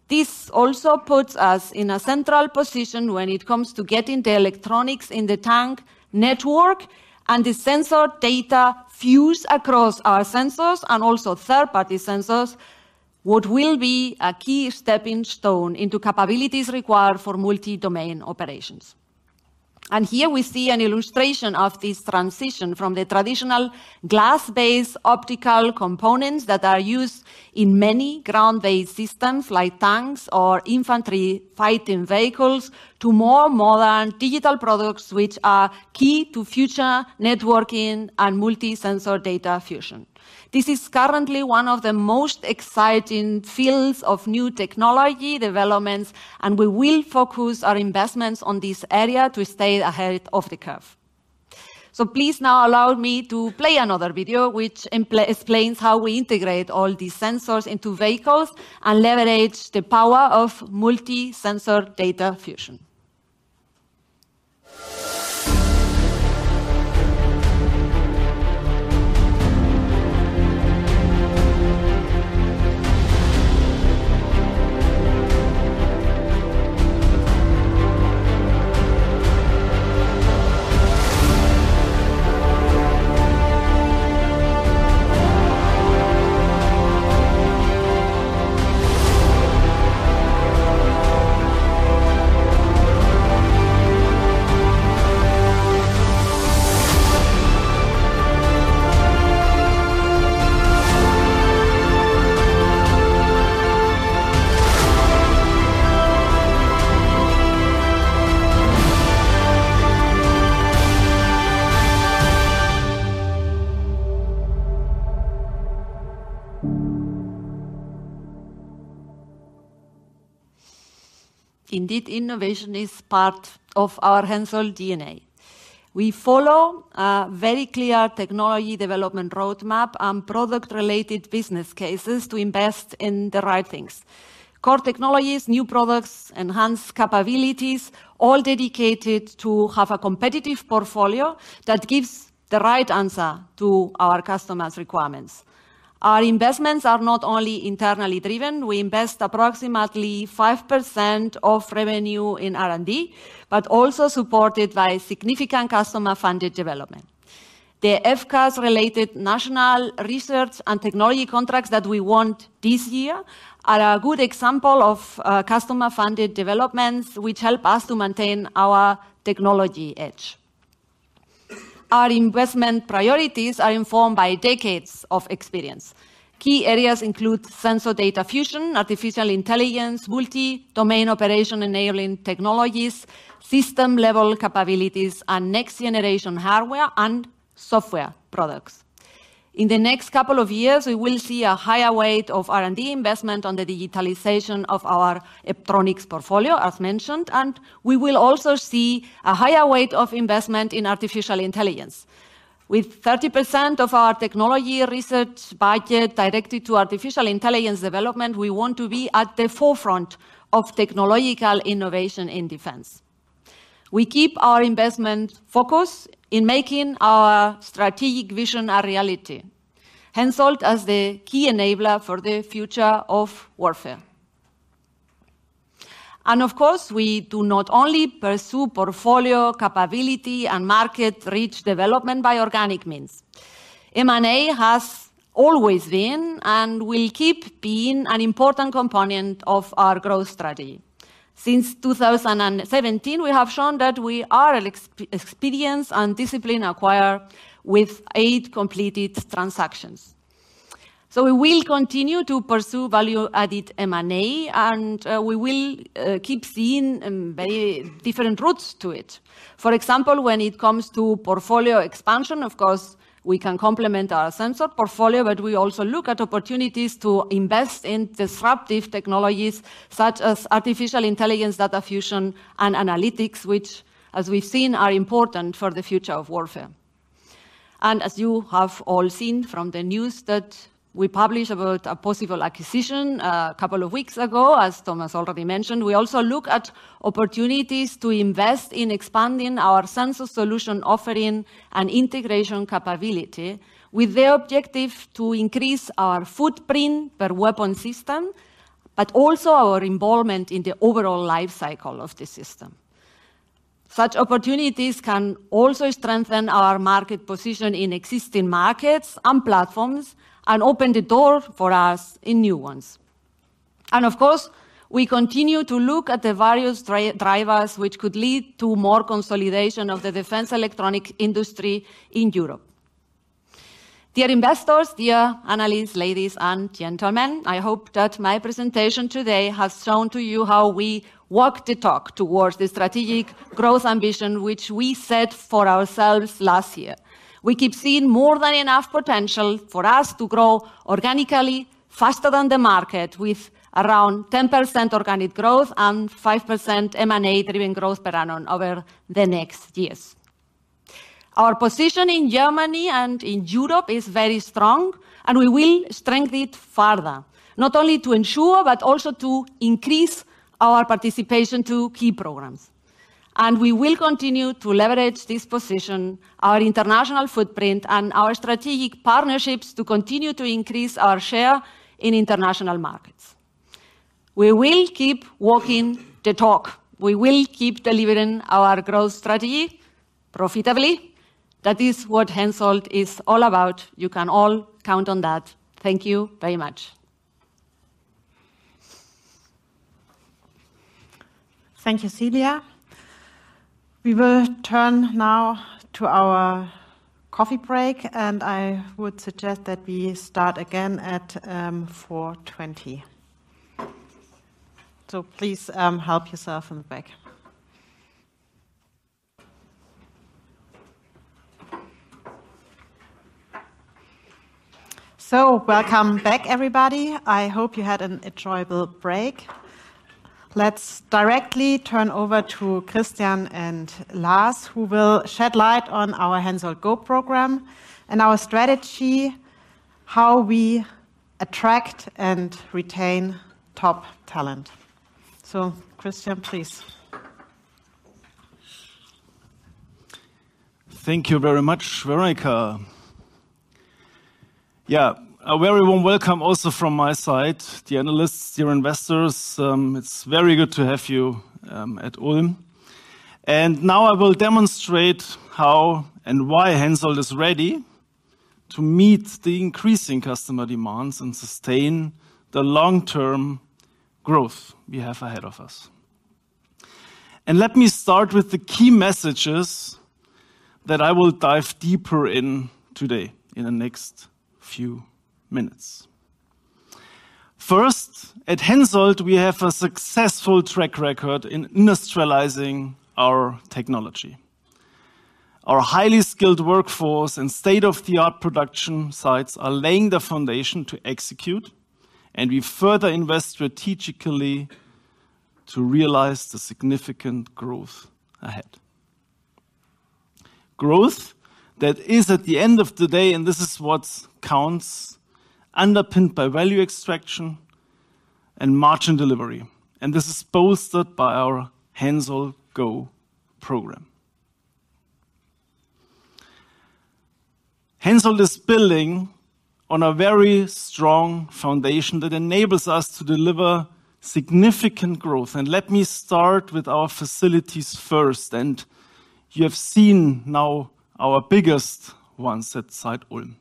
This also puts us in a central position when it comes to getting the electronics in the tank network and the sensor data fused across our sensors and also third-party sensors, what will be a key stepping stone into capabilities required for multi-domain operations. Here we see an illustration of this transition from the traditional glass-based optical components that are used in many ground-based systems, like tanks or infantry fighting vehicles, to more modern digital products, which are key to future networking and multi-sensor data fusion. This is currently one of the most exciting fields of new technology developments, and we will focus our investments on this area to stay ahead of the curve. So please now allow me to play another video, which explains how we integrate all these sensors into vehicles and leverage the power of multi-sensor data fusion. Indeed, innovation is part of our HENSOLDT DNA. We follow a very clear technology development roadmap and product-related business cases to invest in the right things. Core technologies, new products, enhanced capabilities, all dedicated to have a competitive portfolio that gives the right answer to our customers' requirements. Our investments are not only internally driven, we invest approximately 5% of revenue in R&D, but also supported by significant customer-funded development. The FCAS-related national research and technology contracts that we won this year are a good example of customer-funded developments, which help us to maintain our technology edge. Our investment priorities are informed by decades of experience. Key areas include sensor data fusion, artificial intelligence, multi-domain operation-enabling technologies, system-level capabilities, and next-generation hardware and software products. In the next couple of years, we will see a higher weight of R&D investment on the digitalization of our electronics portfolio, as mentioned, and we will also see a higher weight of investment in artificial intelligence. With 30% of our technology research budget directed to artificial intelligence development, we want to be at the forefront of technological innovation in defense. We keep our investment focus in making our strategic vision a reality, HENSOLDT as the key enabler for the future of warfare. Of course, we do not only pursue portfolio capability and market reach development by organic means. M&A has always been, and will keep being, an important component of our growth strategy. Since 2017, we have shown that we are experienced and disciplined acquirer with eight completed transactions. We will continue to pursue value-added M&A, and we will keep seeing very different routes to it. For example, when it comes to portfolio expansion, of course, we can complement our sensor portfolio, but we also look at opportunities to invest in disruptive technologies such as artificial intelligence, data fusion, and analytics, which, as we've seen, are important for the future of warfare. As you have all seen from the news that we published about a possible acquisition a couple of weeks ago, as Thomas already mentioned, we also look at opportunities to invest in expanding our sensor solution offering and integration capability, with the objective to increase our footprint per weapon system, but also our involvement in the overall life cycle of the system. Such opportunities can also strengthen our market position in existing markets and platforms and open the door for us in new ones. Of course, we continue to look at the various drivers, which could lead to more consolidation of the defense electronics industry in Europe. Dear investors, dear analysts, ladies and gentlemen, I hope that my presentation today has shown to you how we walk the talk towards the strategic growth ambition which we set for ourselves last year. We keep seeing more than enough potential for us to grow organically, faster than the market, with around 10% organic growth and 5% M&A-driven growth per annum over the next years. Our position in Germany and in Europe is very strong, and we will strengthen it further, not only to ensure, but also to increase our participation to key programs. We will continue to leverage this position, our international footprint, and our strategic partnerships to continue to increase our share in international markets. We will keep walking the talk. We will keep delivering our growth strategy profitably. That is what HENSOLDT is all about. You can all count on that. Thank you very much. Thank you, Celia. We will turn now to our coffee break, and I would suggest that we start again at 4:20 P.M. Please help yourself in the back. Welcome back, everybody. I hope you had an enjoyable break. Let's directly turn over to Christian and Lars, who will shed light on our HENSOLDT Go! program and our strategy, how we attract and retain top talent. Christian, please. Thank you very much, Veronika. Yeah, a very warm welcome also from my side. Dear analysts, dear investors, it's very good to have you at Ulm. Now I will demonstrate how and why HENSOLDT is ready to meet the increasing customer demands and sustain the long-term growth we have ahead of us. Let me start with the key messages that I will dive deeper in today, in the next few minutes. First, at HENSOLDT, we have a successful track record in industrializing our technology. Our highly skilled workforce and state-of-the-art production sites are laying the foundation to execute, and we further invest strategically to realize the significant growth ahead. Growth that is, at the end of the day, and this is what counts, underpinned by value extraction and margin delivery, and this is bolstered by our HENSOLDT Go! program. HENSOLDT is building on a very strong foundation that enables us to deliver significant growth. Let me start with our facilities first, and you have seen now our biggest one at Ulm.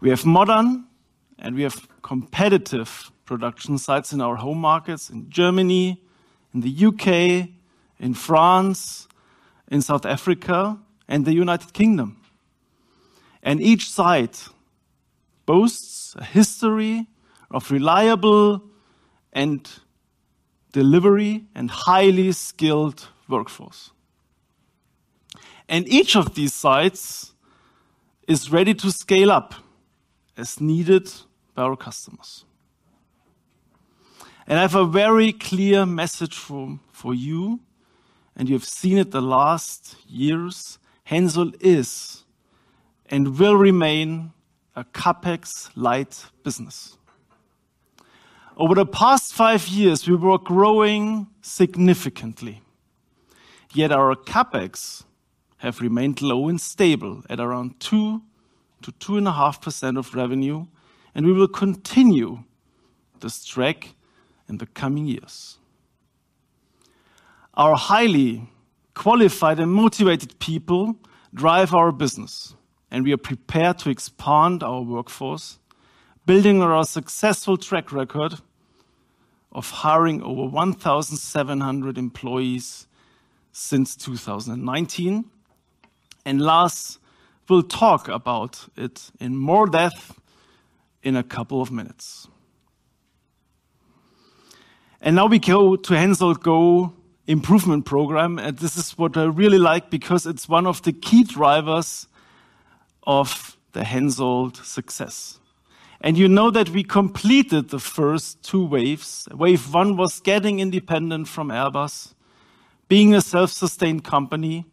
We have modern and we have competitive production sites in our home markets in Germany, in the U.K., in France, in South Africa, and the United Kingdom. Each site boasts a history of reliable and delivery and highly skilled workforce. Each of these sites is ready to scale up as needed by our customers. I have a very clear message for, for you, and you have seen it the last years: HENSOLDT is and will remain a CapEx-light business. Over the past five years, we were growing significantly, yet our CapEx have remained low and stable at around 2%-2.5% of revenue, and we will continue this track in the coming years. Our highly qualified and motivated people drive our business, and we are prepared to expand our workforce, building on our successful track record of hiring over 1,700 employees since 2019, and Lars will talk about it in more depth in a couple of minutes. Now we go to HENSOLDT Go! Improvement Program, and this is what I really like because it's one of the key drivers of the HENSOLDT success. You know that we completed the first two waves. Wave one was getting independent from Airbus, being a self-sustained company,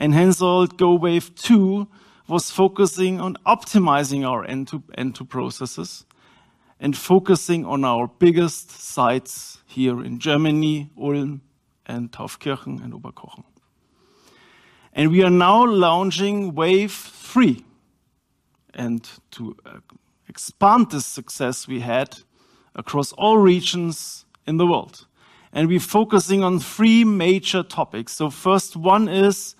and HENSOLDT Go! Wave 2 was focusing on optimizing our end-to-end processes and focusing on our biggest sites here in Germany, Ulm and Taufkirchen and Oberkochen. We are now launching wave three, and to expand the success we had across all regions in the world. We're focusing on three major topics. First one is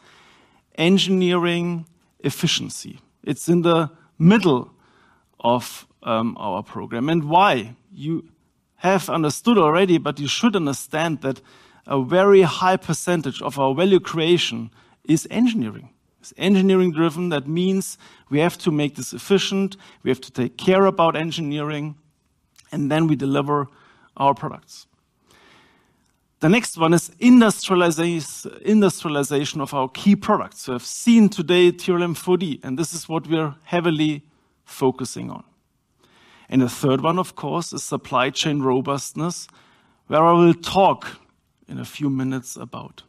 engineering efficiency. It's in the middle of our program. And why? You have understood already, but you should understand that a very high percentage of our value creation is engineering. It's engineering-driven, that means we have to make this efficient, we have to take care about engineering, and then we deliver our products. The next one is industrialization of our key products. You have seen today TRML-4D, and this is what we are heavily focusing on. The third one, of course, is supply chain robustness, where I will talk in a few minutes about.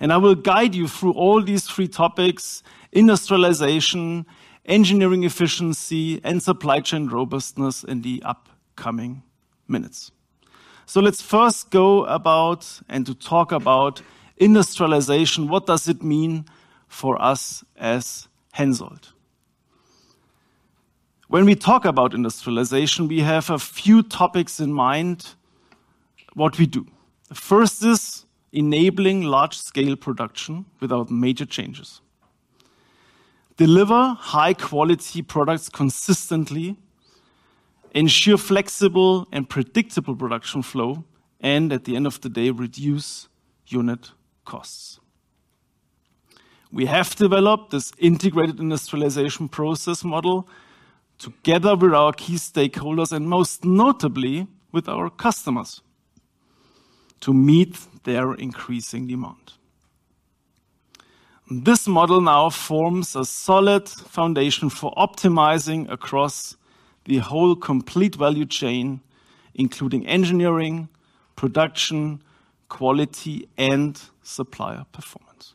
I will guide you through all these three topics: industrialization, engineering efficiency, and supply chain robustness in the upcoming minutes. Let's first go about and to talk about industrialization. What does it mean for us as HENSOLDT? When we talk about industrialization, we have a few topics in mind what we do. The first is enabling large-scale production without major changes, deliver high-quality products consistently, ensure flexible and predictable production flow, and at the end of the day, reduce unit costs. We have developed this integrated industrialization process model together with our key stakeholders and most notably with our customers to meet their increasing demand. This model now forms a solid foundation for optimizing across the whole complete value chain, including engineering, production, quality, and supplier performance.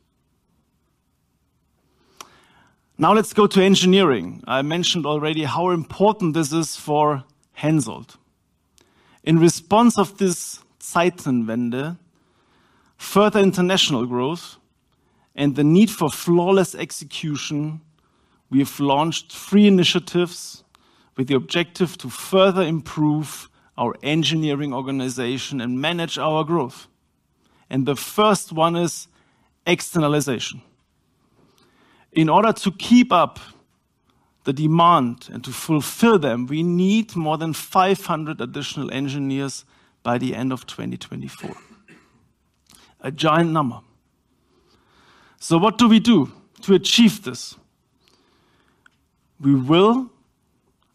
Now let's go to engineering. I mentioned already how important this is for HENSOLDT. In response to this Zeitenwende, further international growth, and the need for flawless execution, we have launched three initiatives with the objective to further improve our engineering organization and manage our growth. The first one is externalization. In order to keep up the demand and to fulfill them, we need more than 500 additional engineers by the end of 2024. A giant number. So what do we do to achieve this? We will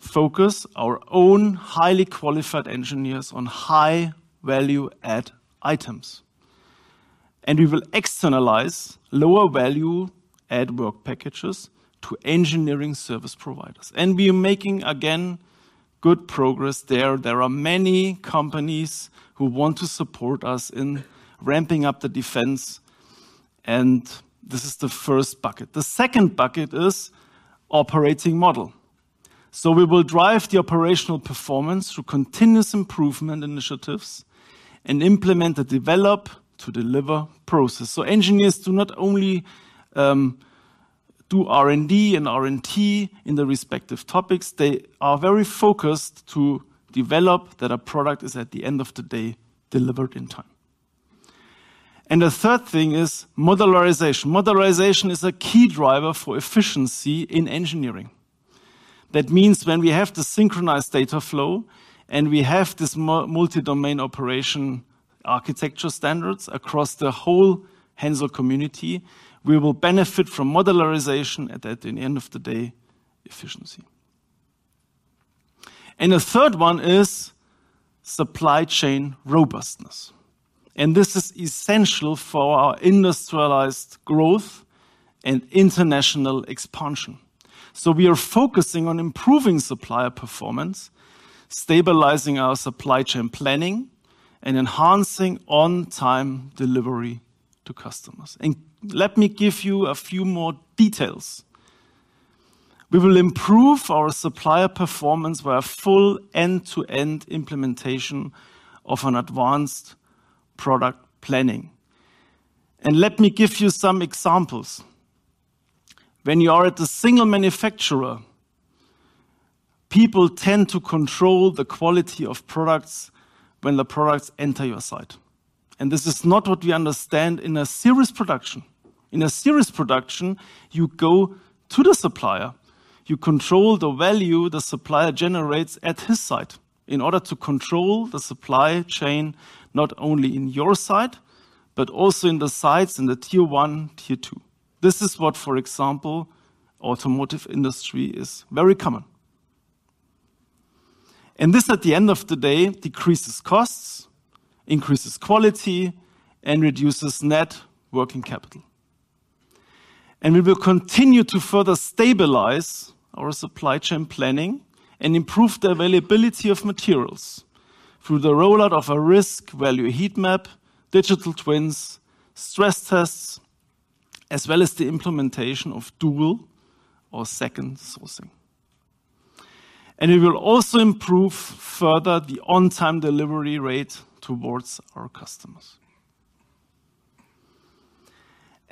focus our own highly qualified engineers on high-value-add items, and we will externalize lower value add work packages to engineering service providers. We are making, again, good progress there. There are many companies who want to support us in ramping up the defense, and this is the first bucket. The second bucket is operating model. We will drive the operational performance through continuous improvement initiatives and implement the Develop-to-Deliver process. Engineers do not only do R&D and R&T in the respective topics. They are very focused to develop that a product is, at the end of the day, delivered in time. The third thing is modularization. Modularization is a key driver for efficiency in engineering. That means when we have the synchronized data flow, and we have this multi-domain operation architecture standards across the whole HENSOLDT community, we will benefit from modularization, and at the end of the day, efficiency. The third one is supply chain robustness, and this is essential for our industrialized growth and international expansion. We are focusing on improving supplier performance, stabilizing our supply chain planning, and enhancing on-time delivery to customers. Let me give you a few more details. We will improve our supplier performance with a full end-to-end implementation of an advanced product planning. And let me give you some examples. When you are at a single manufacturer, people tend to control the quality of products when the products enter your site, and this is not what we understand in a series production. In a series production, you go to the supplier, you control the value the supplier generates at his site in order to control the supply chain, not only in your site, but also in the sites in the tier one, tier two. This is what, for example, automotive industry is very common. And this, at the end of the day, decreases costs, increases quality, and reduces net working capital. We will continue to further stabilize our supply chain planning and improve the availability of materials through the rollout of a risk value heat map, digital twins, stress tests, as well as the implementation of dual or second sourcing. We will also improve further the on-time delivery rate towards our customers.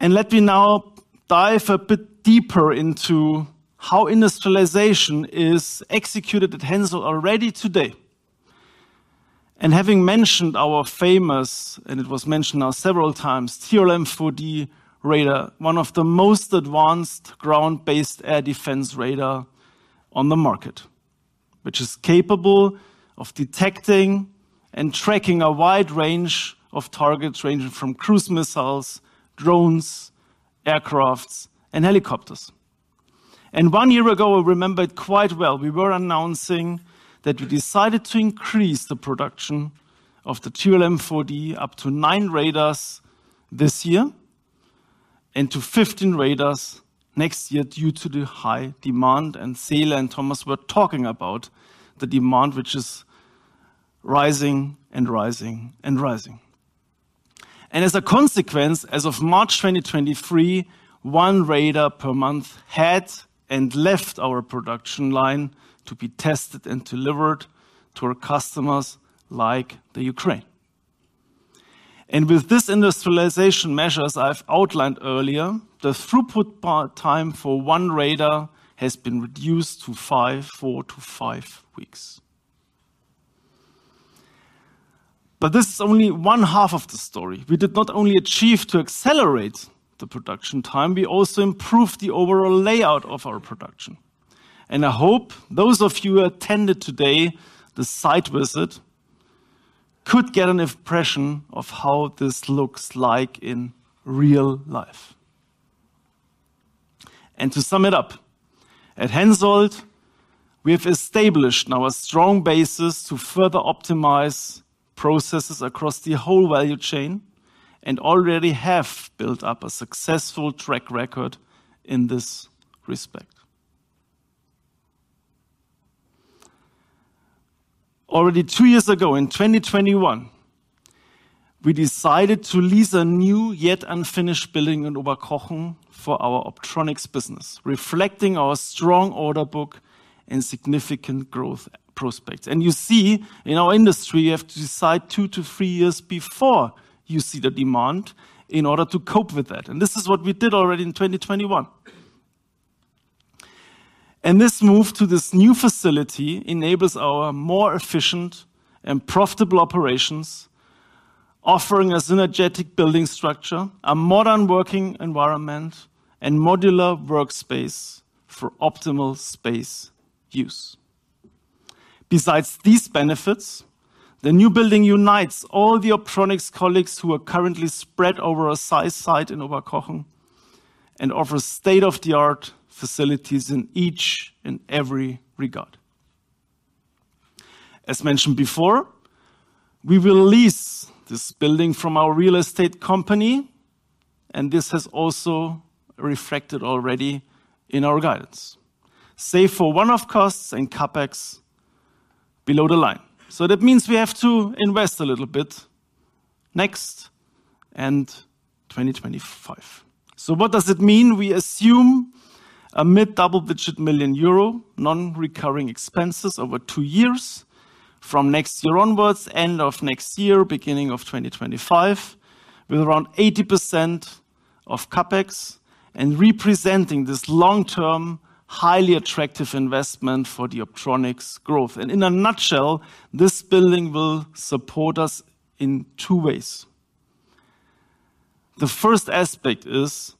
Let me now dive a bit deeper into how industrialization is executed at HENSOLDT already today. Having mentioned our famous, and it was mentioned now several times, TRML-4D radar, one of the most advanced ground-based air defense radars on the market, which is capable of detecting and tracking a wide range of targets, ranging from cruise missiles, drones, aircraft, and helicopters. One year ago, I remember it quite well, we were announcing that we decided to increase the production of the TRML-4D up to nine radars this year and to 15 radars next year, due to the high demand, and Celia and Thomas were talking about the demand, which is rising and rising and rising. As a consequence, as of March 2023, one radar per month had left our production line to be tested and delivered to our customers, like the Ukraine. With this industrialization measures I've outlined earlier, the throughput part time for one radar has been reduced to four to five weeks. But this is only one half of the story. We did not only achieve to accelerate the production time, we also improved the overall layout of our production. I hope those of you who attended today, the site visit, could get an impression of how this looks like in real life. To sum it up, at HENSOLDT, we have established now a strong basis to further optimize processes across the whole value chain and already have built up a successful track record in this respect. Already two years ago, in 2021, we decided to lease a new, yet unfinished, building in Oberkochen for our Optronics business, reflecting our strong order book and significant growth prospects. You see, in our industry, you have to decide two to three years before you see the demand in order to cope with that. This is what we did already in 2021. This move to this new facility enables our more efficient and profitable operations, offering a synergetic building structure, a modern working environment, and modular workspace for optimal space use. Besides these benefits, the new building unites all the optronics colleagues who are currently spread over a site in Oberkochen and offers state-of-the-art facilities in each and every regard. As mentioned before, we will lease this building from our real estate company, and this has also reflected already in our guidance, save for one-off costs and CapEx below the line. So that means we have to invest a little bit next and 2025. So what does it mean? We assume a mid-double-digit million euro, non-recurring expenses over two years - from next year onwards, end of next year, beginning of 2025, with around 80% of CapEx and representing this long-term, highly attractive investment for the Optronics growth. In a nutshell, this building will support us in two ways. The first aspect is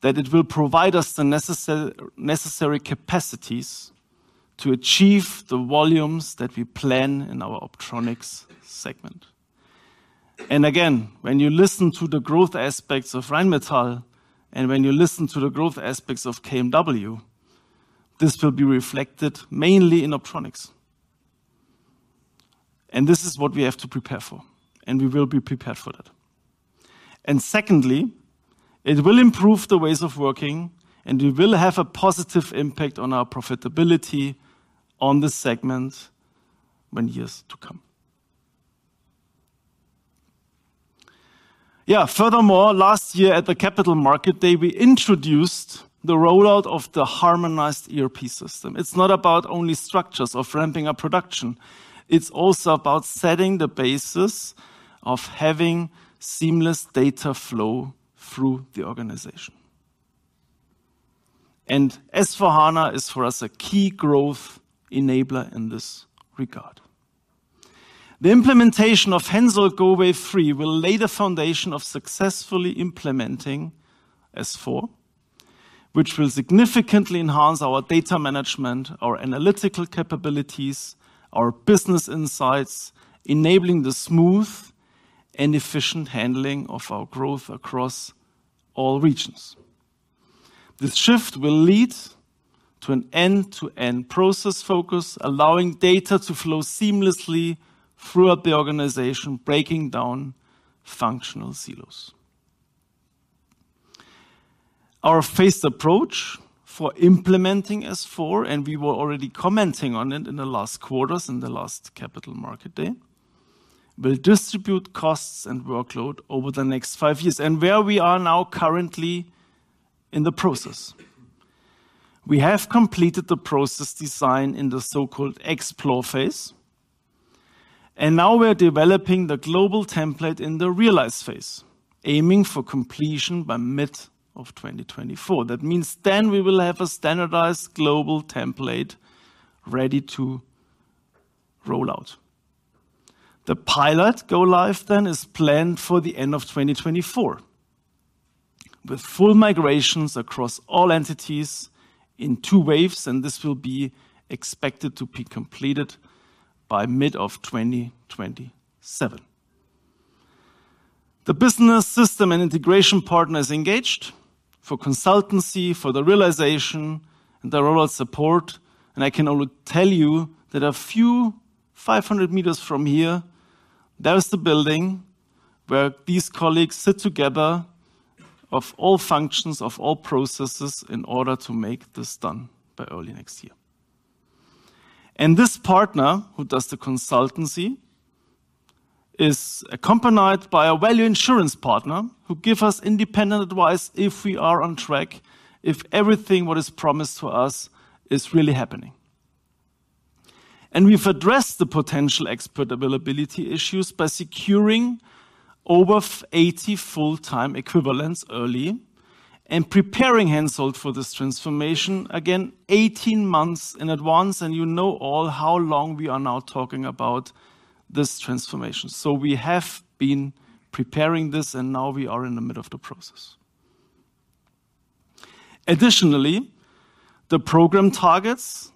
that it will provide us the necessary, necessary capacities to achieve the volumes that we plan in our Optronics segment. Again, when you listen to the growth aspects of Rheinmetall, and when you listen to the growth aspects of KMW, this will be reflected mainly in Optronics. This is what we have to prepare for, and we will be prepared for that. Secondly, it will improve the ways of working, and we will have a positive impact on our profitability on this segment in years to come. Yeah, furthermore, last year at the Capital Markets Days, we introduced the rollout of the harmonized ERP system. It's not about only structures of ramping up production, it's also about setting the basis of having seamless data flow through the organization. S/4HANA is for us a key growth enabler in this regard. The implementation of HENSOLDT Go! Wave 3 will lay the foundation of successfully implementing S/4, which will significantly enhance our data management, our analytical capabilities, our business insights, enabling the smooth and efficient handling of our growth across all regions. This shift will lead to an end-to-end process focus, allowing data to flow seamlessly throughout the organization, breaking down functional silos. Our phased approach for implementing S/4, and we were already commenting on it in the last quarters, in the last Capital Markets Day, will distribute costs and workload over the next five years, and where we are now currently in the process. We have completed the process design in the so-called Explore phase, and now we're developing the global template in the Realize phase, aiming for completion by mid-2024. That means then we will have a standardized global template ready to roll out. The pilot go-live then is planned for the end of 2024, with full migrations across all entities in two waves, and this will be expected to be completed by mid of 2027. The business system and integration partner is engaged for consultancy, for the realization, and the rollout support, and I can only tell you that a few 500 meters from here, there is the building where these colleagues sit together of all functions, of all processes, in order to make this done by early next year. And this partner, who does the consultancy, is accompanied by a value assurance partner, who give us independent advice if we are on track, if everything what is promised to us is really happening. And we've addressed the potential expert availability issues by securing over 80 full-time equivalents early and preparing HENSOLDT for this transformation. Again, 18 months in advance, and you know all how long we are now talking about this transformation. So we have been preparing this, and now we are in the middle of the process. Additionally, the program targets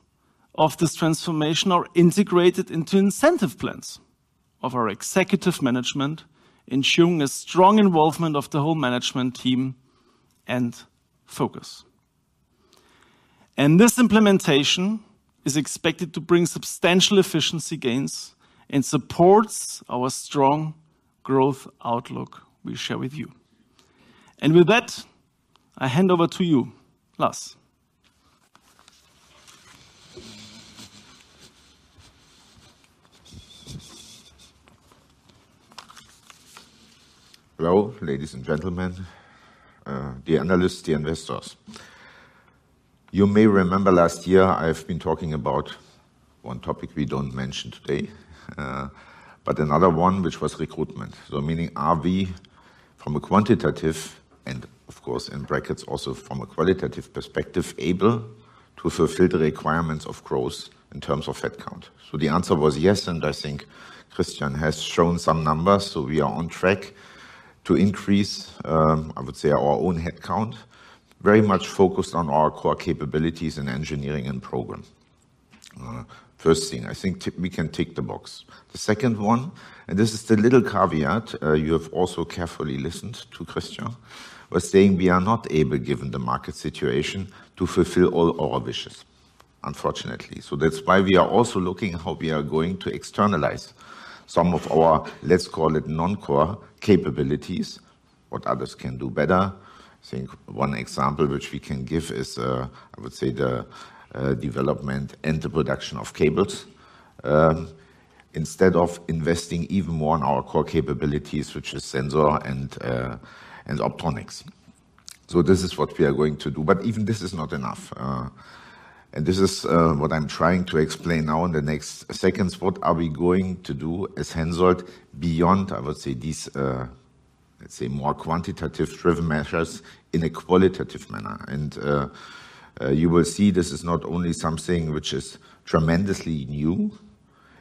of this transformation are integrated into incentive plans of our executive management, ensuring a strong involvement of the whole management team and focus. And this implementation is expected to bring substantial efficiency gains and supports our strong growth outlook we share with you. And with that, I hand over to you, Lars. Hello, ladies and gentlemen, dear analysts, dear investors. You may remember last year, I've been talking about one topic we don't mention today, but another one, which was recruitment. So meaning, are we from a quantitative, and of course, in brackets, also from a qualitative perspective, able to fulfill the requirements of growth in terms of headcount? So the answer was yes, and I think Christian has shown some numbers, so we are on track to increase, I would say, our own headcount, very much focused on our core capabilities in engineering and program. First thing, I think we can tick the box. The second one, and this is the little caveat, you have also carefully listened to Christian, was saying we are not able, given the market situation, to fulfill all our wishes, unfortunately. So that's why we are also looking at how we are going to externalize some of our, let's call it, non-core capabilities, what others can do better. I think one example which we can give is, I would say the development and the production of cables, instead of investing even more in our core capabilities, which is Sensor and Optronics. So this is what we are going to do, but even this is not enough. And this is what I'm trying to explain now in the next seconds, what are we going to do as HENSOLDT beyond, I would say, these, let's say, more quantitative-driven measures in a qualitative manner? You will see this is not only something which is tremendously new,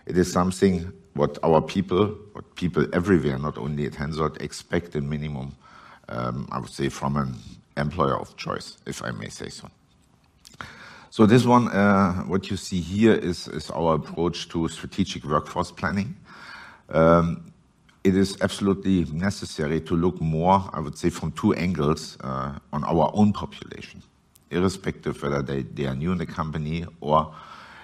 it is something what our people, or people everywhere, not only at HENSOLDT, expect a minimum, I would say, from an employer of choice, if I may say so. This one, what you see here is our approach to strategic workforce planning. It is absolutely necessary to look more, I would say, from two angles on our own population, irrespective of whether they are new in the company or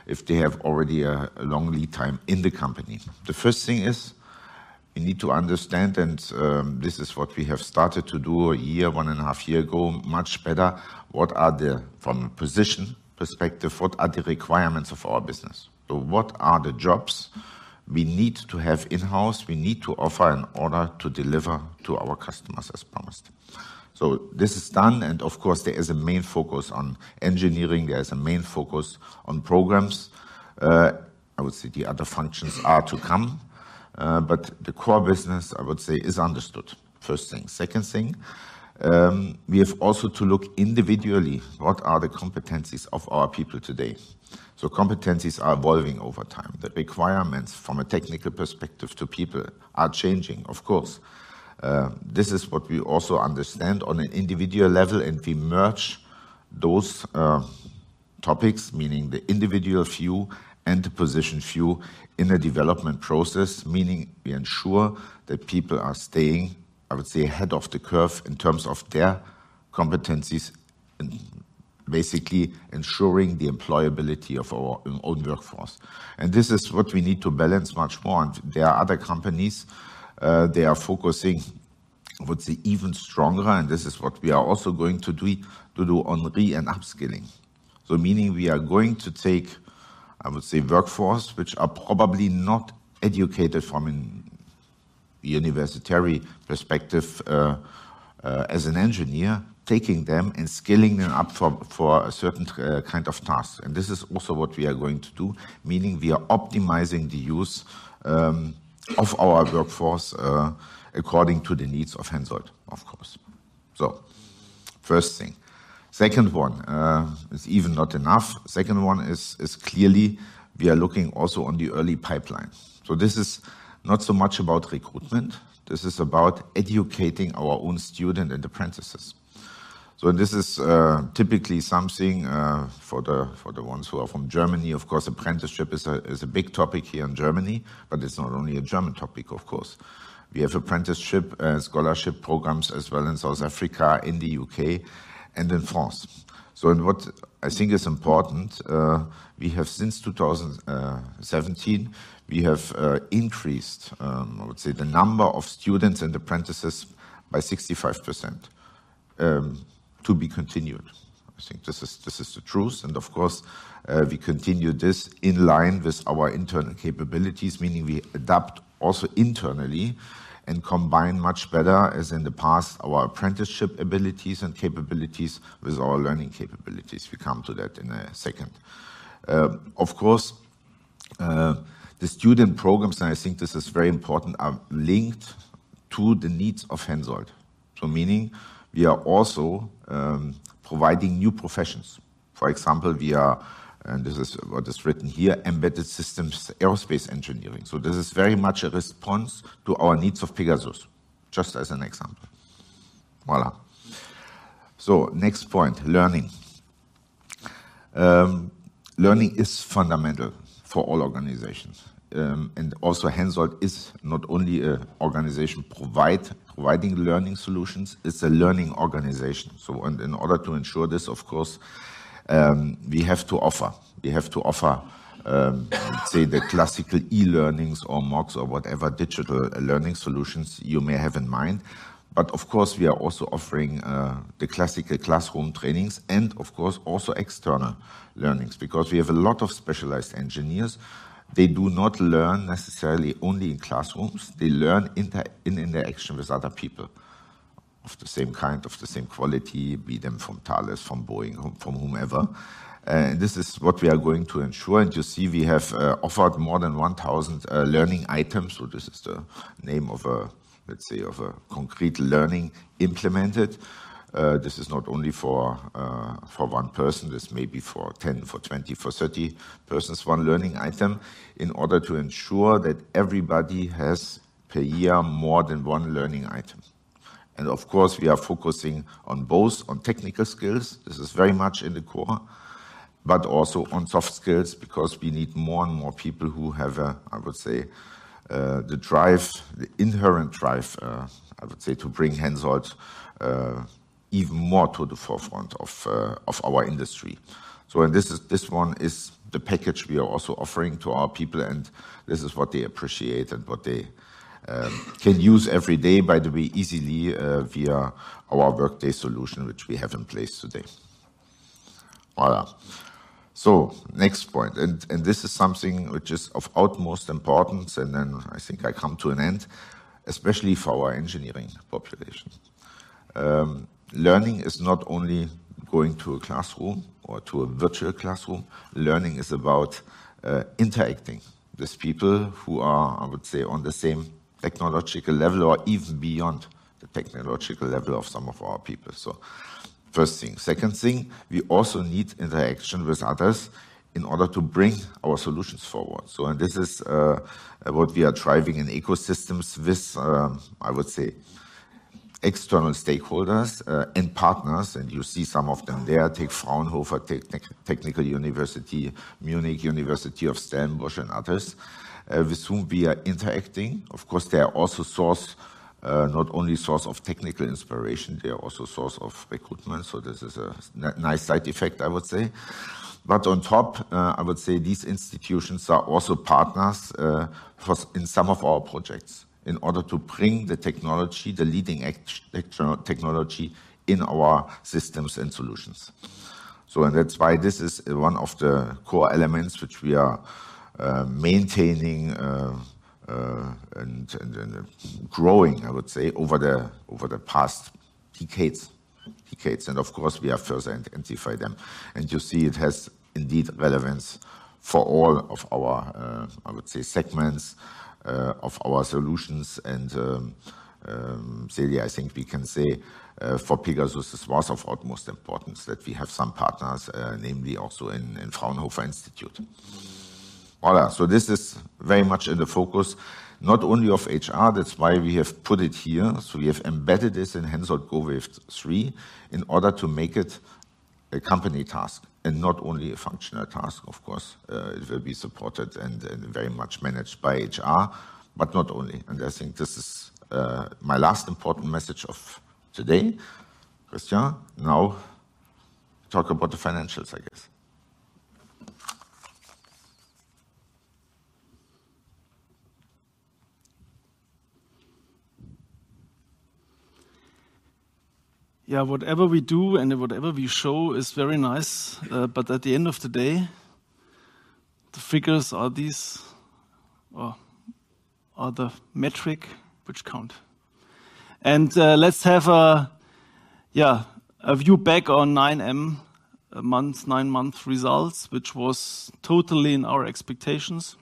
if they have already a long lead time in the company. The first thing is, we need to understand, and this is what we have started to do 1.5 years ago, much better, what are the, from a position perspective, what are the requirements of our business? So what are the jobs we need to have in-house, we need to offer in order to deliver to our customers as promised? So this is done, and of course, there is a main focus on engineering, there is a main focus on programs. I would say the other functions are to come, but the core business, I would say, is understood. First thing. Second thing, we have also to look individually, what are the competencies of our people today? So competencies are evolving over time. The requirements from a technical perspective to people are changing, of course. This is what we also understand on an individual level, and we merge those topics, meaning the individual view and the position view in a development process, meaning we ensure that people are staying, I would say, ahead of the curve in terms of their competencies and basically ensuring the employability of our own workforce. This is what we need to balance much more. There are other companies, they are focusing, I would say, even stronger, and this is what we are also going to do on re and upskilling. Meaning we are going to take, I would say, workforce, which are probably not educated from an university perspective, as an engineer, taking them and skilling them up for a certain kind of task. This is also what we are going to do, meaning we are optimizing the use of our workforce according to the needs of HENSOLDT, of course. So first thing. Second one is even not enough. Second one is clearly we are looking also on the early pipeline. So this is not so much about recruitment, this is about educating our own student and apprentices. So this is typically something for the ones who are from Germany, of course, apprenticeship is a big topic here in Germany, but it's not only a German topic, of course. We have apprenticeship scholarship programs as well in South Africa, in the U.K., and in France. What I think is important, we have since 2017, we have, increased, I would say, the number of students and apprentices by 65%. To be continued. I think this is, this is the truth, and of course, we continue this in line with our internal capabilities, meaning we adapt also internally and combine much better, as in the past, our apprenticeship abilities and capabilities with our learning capabilities. We come to that in a second. Of course, the student programs, and I think this is very important, are linked to the needs of HENSOLDT. So meaning we are also, providing new professions. For example, we are, and this is what is written here, embedded systems aerospace engineering. So this is very much a response to our needs of Pegasus, just as an example. Voila! So next point, learning. Learning is fundamental for all organizations. And also HENSOLDT is not only an organization providing learning solutions, it's a learning organization. So and in order to ensure this, of course, we have to offer, we have to offer, say, the classical e-learnings or MOOCs or whatever digital learning solutions you may have in mind. But of course, we are also offering the classical classroom trainings and of course, also external learnings, because we have a lot of specialized engineers. They do not learn necessarily only in classrooms, they learn in interaction with other people of the same kind, of the same quality, be them from Thales, from Boeing, from whomever. This is what we are going to ensure. And you see, we have offered more than 1,000 learning items. So this is the name of a, let's say, of a concrete learning implemented. This is not only for, for one person, this may be for 10, for 20, for 30 persons, one learning item, in order to ensure that everybody has per year, more than one learning item. And of course, we are focusing on both on technical skills, this is very much in the core, but also on soft skills, because we need more and more people who have, I would say, the drive, the inherent drive, I would say, to bring HENSOLDT even more to the forefront of our industry. So and this is, this one is the package we are also offering to our people, and this is what they appreciate and what they can use every day, by the way, easily via our Workday solution, which we have in place today. Voilà. So next point, and this is something which is of utmost importance, and then I think I come to an end, especially for our engineering population. Learning is not only going to a classroom or to a virtual classroom, learning is about interacting with people who are, I would say, on the same technological level or even beyond the technological level of some of our people. So first thing. Second thing, we also need interaction with others in order to bring our solutions forward. This is what we are driving in ecosystems with, I would say, external stakeholders and partners, and you see some of them there, take Fraunhofer Institute, Technical University of Munich, University of Stellenbosch, and others, with whom we are interacting. Of course, they are also source, not only source of technical inspiration, they are also source of recruitment, so this is a nice side effect, I would say. But on top, I would say these institutions are also partners for in some of our projects, in order to bring the technology, the leading technology in our systems and solutions. So that's why this is one of the core elements which we are maintaining and growing, I would say, over the past decades. Of course, we are further intensify them. You see, it has indeed relevance for all of our, I would say, segments, of our solutions. And, Celia, I think we can say, for Pegasus, this was of utmost importance, that we have some partners, namely also in, Fraunhofer Institute. Voilà. So this is very much in the focus, not only of HR, that's why we have put it here. So we have embedded this in HENSOLDT Go! Wave 3, in order to make it a company task and not only a functional task. Of course, it will be supported and very much managed by HR, but not only, and I think this is, my last important message of today. Christian, now talk about the financials, I guess. Whatever we do and whatever we show is very nice, but at the end of the day, the figures are these, or are the metric which count. Let's have a view back on 9M months, nine-month results, which was totally in our expectations.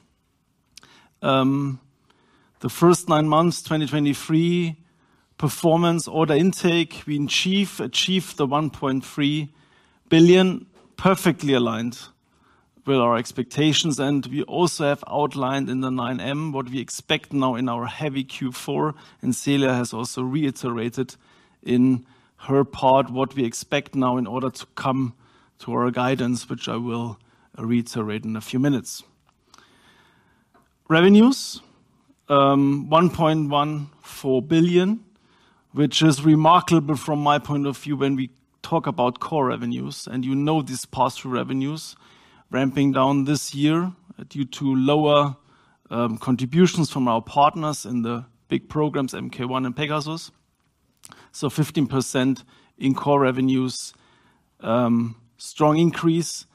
The first nine months, 2023, performance order intake, we achieve, achieved the 1.3 billion, perfectly aligned with our expectations, and we also have outlined in the 9M what we expect now in our heavy Q4, and Celia has also reiterated in her part what we expect now in order to come to our guidance, which I will reiterate in a few minutes. Revenues, 1.14 billion, which is remarkable from my point of view when we talk about core revenues, and you know, these pass-through revenues ramping down this year due to lower contributions from our partners in the big programs, Mk1 and Pegasus. So 15% in core revenues, strong increase,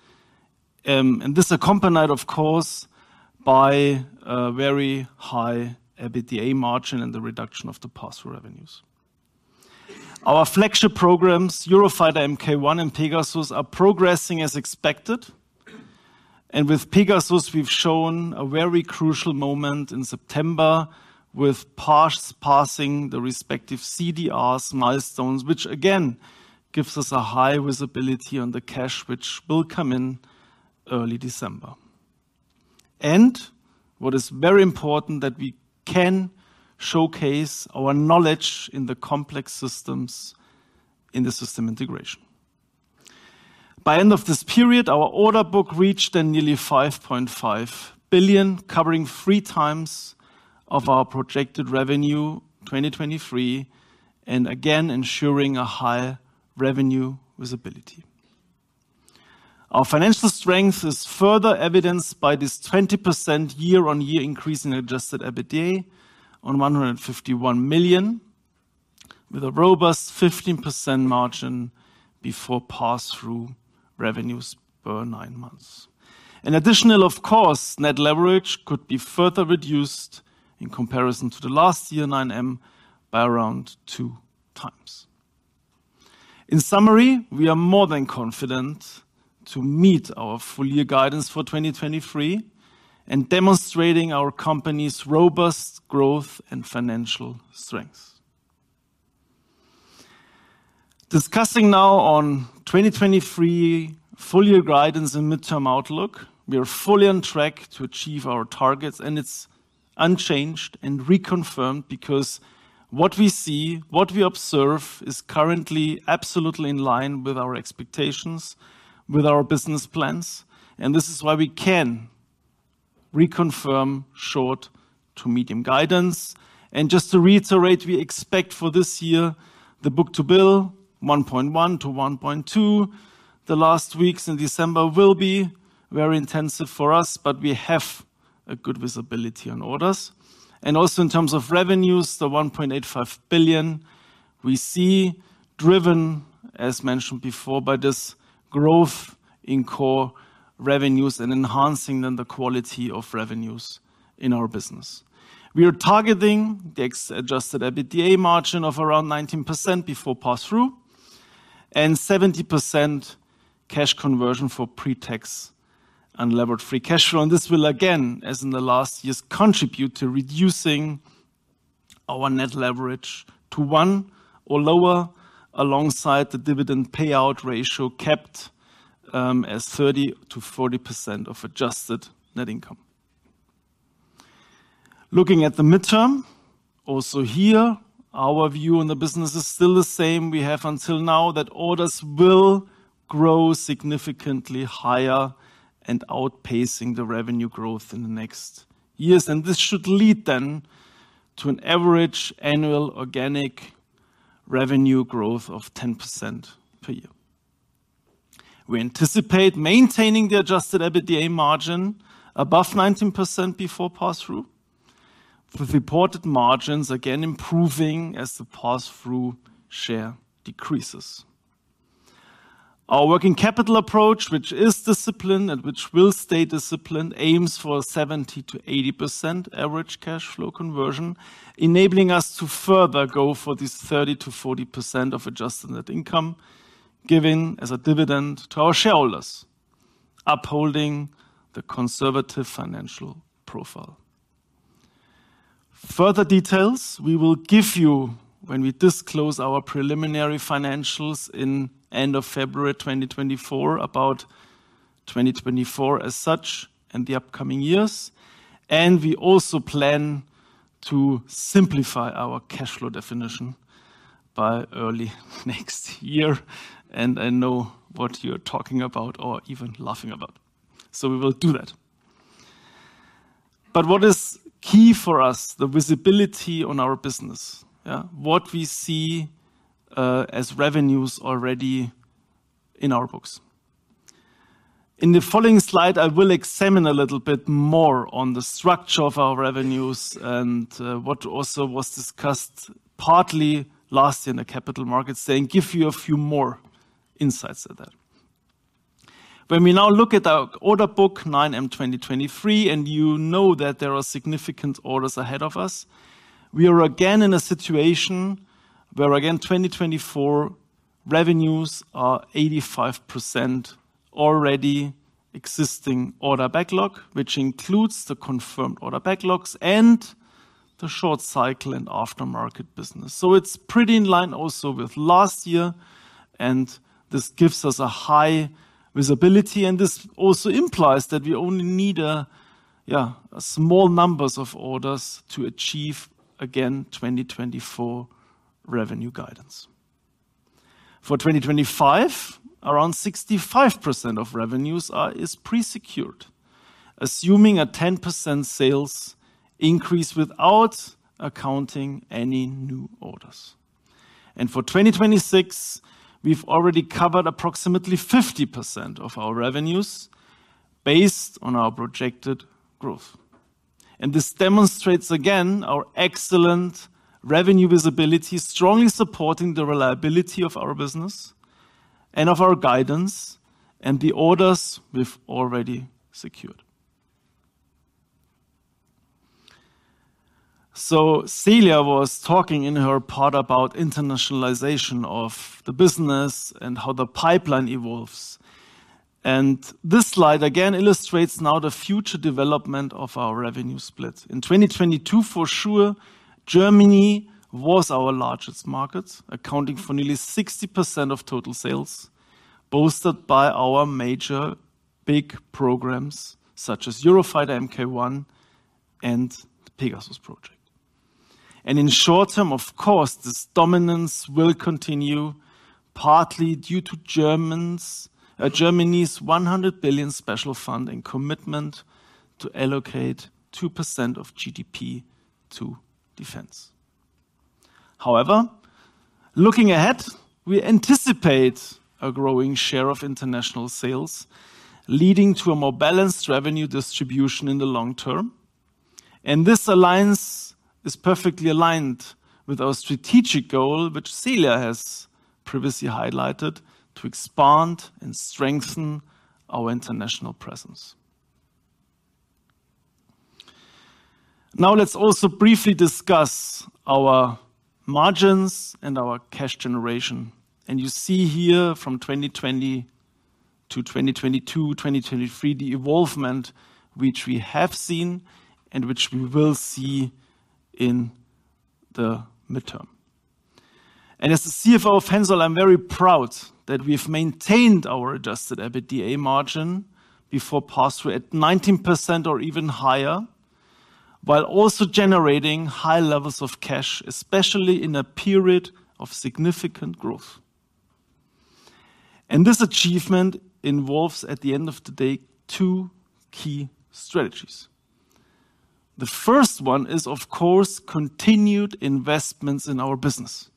and this accompanied, of course, by a very high EBITDA margin and the reduction of the pass-through revenues. Our flagship programs, Eurofighter Mk1 and Pegasus, are progressing as expected. And with Pegasus, we've shown a very crucial moment in September with passing the respective CDRs milestones, which again, gives us a high visibility on the cash, which will come in early December. And what is very important, that we can showcase our knowledge in the complex systems in the system integration. By end of this period, our order book reached nearly 5.5 billion, covering 3x of our projected revenue, 2023, and again, ensuring a high revenue visibility. Our financial strength is further evidenced by this 20% year-on-year increase in Adjusted EBITDA on 151 million, with a robust 15% margin before pass-through revenues for nine months. In addition, of course, net leverage could be further reduced in comparison to the last year, 9M, by around 2x. In summary, we are more than confident to meet our full year guidance for 2023 and demonstrating our company's robust growth and financial strength. Discussing now on 2023 full year guidance and midterm outlook, we are fully on track to achieve our targets, and it's unchanged and reconfirmed because what we see, what we observe, is currently absolutely in line with our expectations, with our business plans, and this is why we can reconfirm short to medium guidance. And just to reiterate, we expect for this year, the book-to-bill, 1.1-1.2. The last weeks in December will be very intensive for us, but we have a good visibility on orders. And also in terms of revenues, the 1.85 billion we see driven, as mentioned before, by this growth in core revenues and enhancing then the quality of revenues in our business. We are targeting the ex-adjusted EBITDA margin of around 19% before passthrough, and 70% cash conversion for pre-tax unlevered free cash flow. This will, again, as in the last years, contribute to reducing our net leverage to 1 or lower, alongside the dividend payout ratio, kept, as 30%-40% of adjusted net income. Looking at the midterm, also here, our view on the business is still the same. We have until now that orders will grow significantly higher and outpacing the revenue growth in the next years. This should lead then to an average annual organic revenue growth of 10% per year. We anticipate maintaining the adjusted EBITDA margin above 19% before passthrough, with reported margins again improving as the passthrough share decreases. Our working capital approach, which is disciplined and which will stay disciplined, aims for 70%-80% average cash flow conversion, enabling us to further go for this 30%-40% of adjusted net income, given as a dividend to our shareholders, upholding the conservative financial profile. Further details we will give you when we disclose our preliminary financials at the end of February 2024, about 2024 as such, and the upcoming years. We also plan to simplify our cash flow definition by early next year, and I know what you're talking about or even laughing about. We will do that. What is key for us, the visibility on our business, yeah? What we see, as revenues already in our books. In the following slide, I will examine a little bit more on the structure of our revenues and what also was discussed partly last in the capital markets, and give you a few more insights of that. When we now look at our order book, 9M 2023, and you know that there are significant orders ahead of us, we are again in a situation where, again, 2024 revenues are 85% already existing order backlog, which includes the confirmed order backlogs and the short cycle and aftermarket business. So it's pretty in line also with last year, and this gives us a high visibility, and this also implies that we only need a small numbers of orders to achieve, again, 2024 revenue guidance. For 2025, around 65% of revenues is pre-secured, assuming a 10% sales increase without accounting any new orders. For 2026, we've already covered approximately 50% of our revenues based on our projected growth. This demonstrates again our excellent revenue visibility, strongly supporting the reliability of our business and of our guidance and the orders we've already secured. So Celia was talking in her part about internationalization of the business and how the pipeline evolves. This slide again illustrates now the future development of our revenue split. In 2022, for sure, Germany was our largest market, accounting for nearly 60% of total sales, boosted by our major big programs such as Eurofighter Mk1 and the Pegasus Project. In short term, of course, this dominance will continue, partly due to Germany's 100 billion special fund and commitment to allocate 2% of GDP to defense. However, looking ahead, we anticipate a growing share of international sales, leading to a more balanced revenue distribution in the long term. This alliance is perfectly aligned with our strategic goal, which Celia has previously highlighted, to expand and strengthen our international presence. Now, let's also briefly discuss our margins and our cash generation. You see here from 2020 to 2022, 2023, the evolvement which we have seen and which we will see in the midterm. As the CFO of HENSOLDT, I'm very proud that we've maintained our adjusted EBITDA margin before pass-through at 19% or even higher, while also generating high levels of cash, especially in a period of significant growth. This achievement involves, at the end of the day, two key strategies. The first one is, of course, continued investments in our business,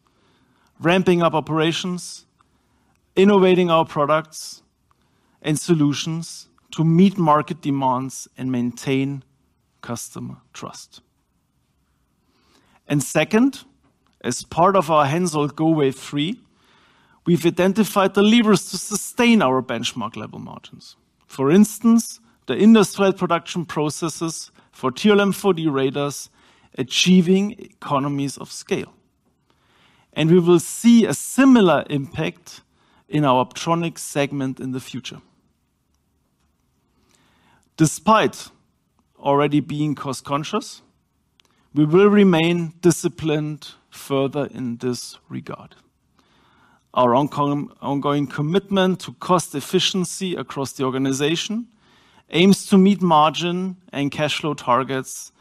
ramping up operations, innovating our products and solutions to meet market demands and maintain customer trust. And second, as part of our HENSOLDT Go! Wave 3, we've identified the levers to sustain our benchmark level margins. For instance, the industrial production processes for TRML-4D radars achieving economies of scale. And we will see a similar impact in our Optronics segment in the future. Despite already being cost-conscious, we will remain disciplined further in this regard. Our ongoing commitment to cost efficiency across the organization aims to meet margin and cash flow targets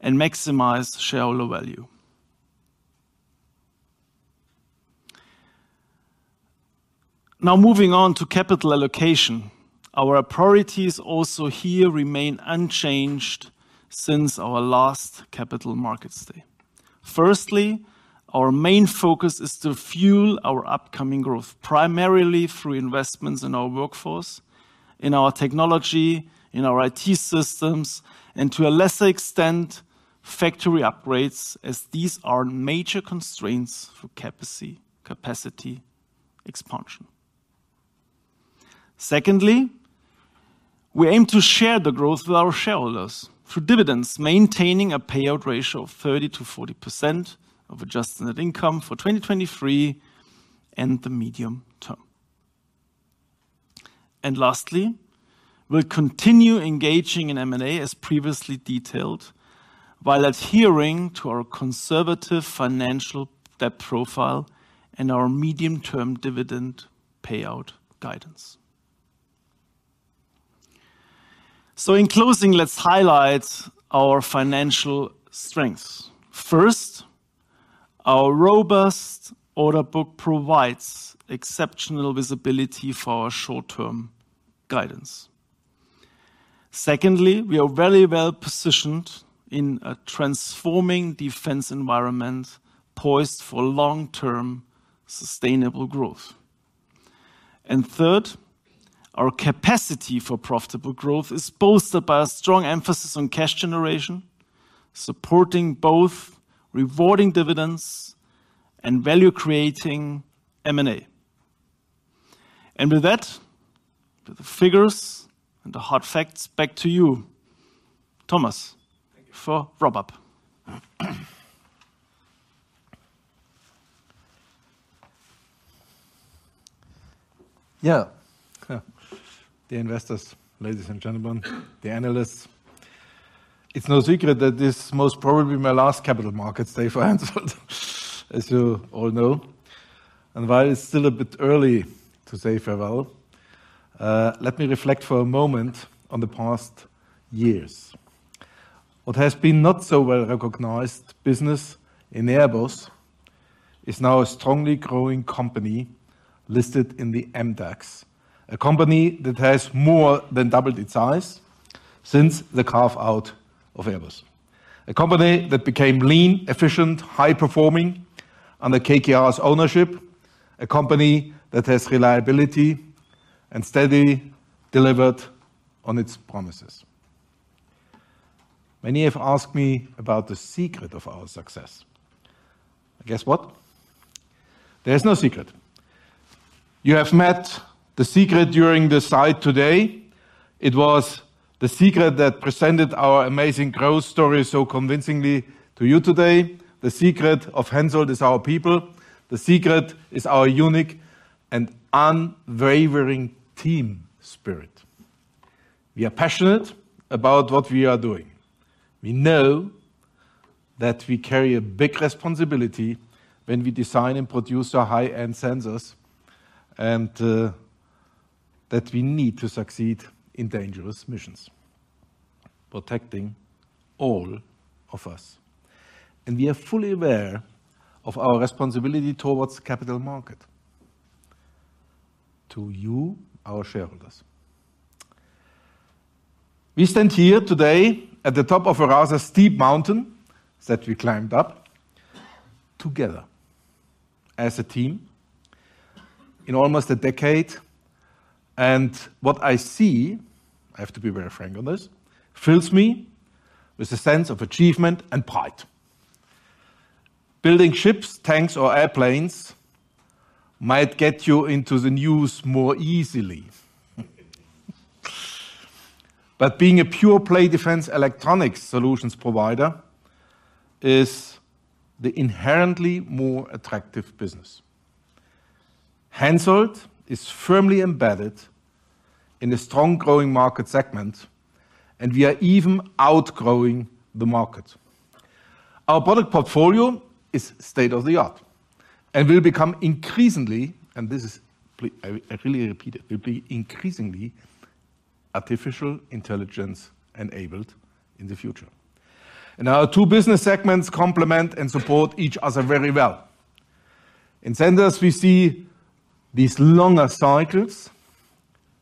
and maximize shareholder value. Now, moving on to capital allocation. Our priorities also here remain unchanged since our last Capital Markets Days. Firstly, our main focus is to fuel our upcoming growth, primarily through investments in our workforce, in our technology, in our IT systems, and to a lesser extent, factory upgrades, as these are major constraints for capacity, capacity expansion. Secondly, we aim to share the growth with our shareholders through dividends, maintaining a payout ratio of 30%-40% of adjusted net income for 2023 and the medium term. Lastly, we'll continue engaging in M&A as previously detailed, while adhering to our conservative financial debt profile and our medium-term dividend payout guidance. In closing, let's highlight our financial strengths. First, our robust order book provides exceptional visibility for our short-term guidance. Secondly, we are very well-positioned in a transforming defense environment, poised for long-term, sustainable growth. Third, our capacity for profitable growth is bolstered by a strong emphasis on cash generation, supporting both rewarding dividends and value-creating M&A. With that, with the figures and the hard facts, back to you, Thomas for wrap-up. Yeah. Yeah. Dear investors, ladies and gentlemen, the analysts, it's no secret that this is most probably my last Capital Markets Days for HENSOLDT, as you all know. While it's still a bit early to say farewell, let me reflect for a moment on the past years. What has been not so well-recognized business in Airbus, is now a strongly growing company listed in the MDAX. A company that has more than doubled its size since the carve-out of Airbus. A company that became lean, efficient, high-performing under KKR's ownership, a company that has reliability and steadily delivered on its promises. Many have asked me about the secret of our success. Guess what? There's no secret. You have met the secret during this site today. It was the secret that presented our amazing growth story so convincingly to you today. The secret of HENSOLDT is our people. The secret is our unique and unwavering team spirit. We are passionate about what we are doing. We know that we carry a big responsibility when we design and produce our high-end sensors, and that we need to succeed in dangerous missions, protecting all of us. We are fully aware of our responsibility towards capital market, to you, our shareholders. We stand here today at the top of a rather steep mountain that we climbed up together as a team in almost a decade, and what I see, I have to be very frank on this, fills me with a sense of achievement and pride. Building ships, tanks, or airplanes might get you into the news more easily. Being a pure-play defense electronics solutions provider is the inherently more attractive business. HENSOLDT is firmly embedded in a strong, growing market segment, and we are even outgrowing the market. Our product portfolio is state-of-the-art and will become increasingly, and this is, I really repeat it, will be increasingly artificial intelligence-enabled in the future. Our two business segments complement and support each other very well. In Sensors, we see these longer cycles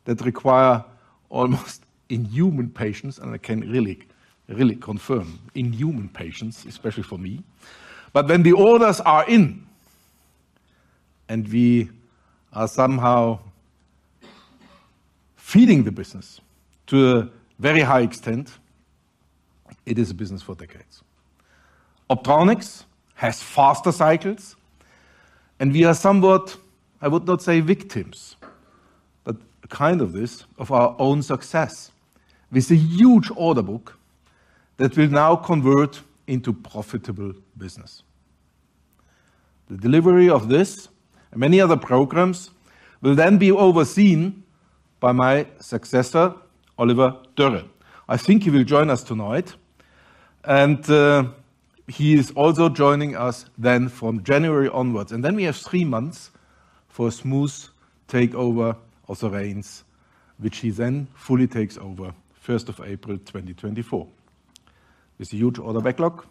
that require almost inhuman patience, and I can really, really confirm, inhuman patience, especially for me. When the orders are in, and we are somehow feeding the business to a very high extent, it is a business for decades. Optronics has faster cycles, and we are somewhat, I would not say victims, but kind of this, of our own success, with a huge order book that will now convert into profitable business. The delivery of this and many other programs will then be overseen by my successor, Oliver Dörre. I think he will join us tonight, and he is also joining us then from January onwards. We have three months for a smooth takeover of the reins, which he then fully takes over first of April, 2024. With huge order backlog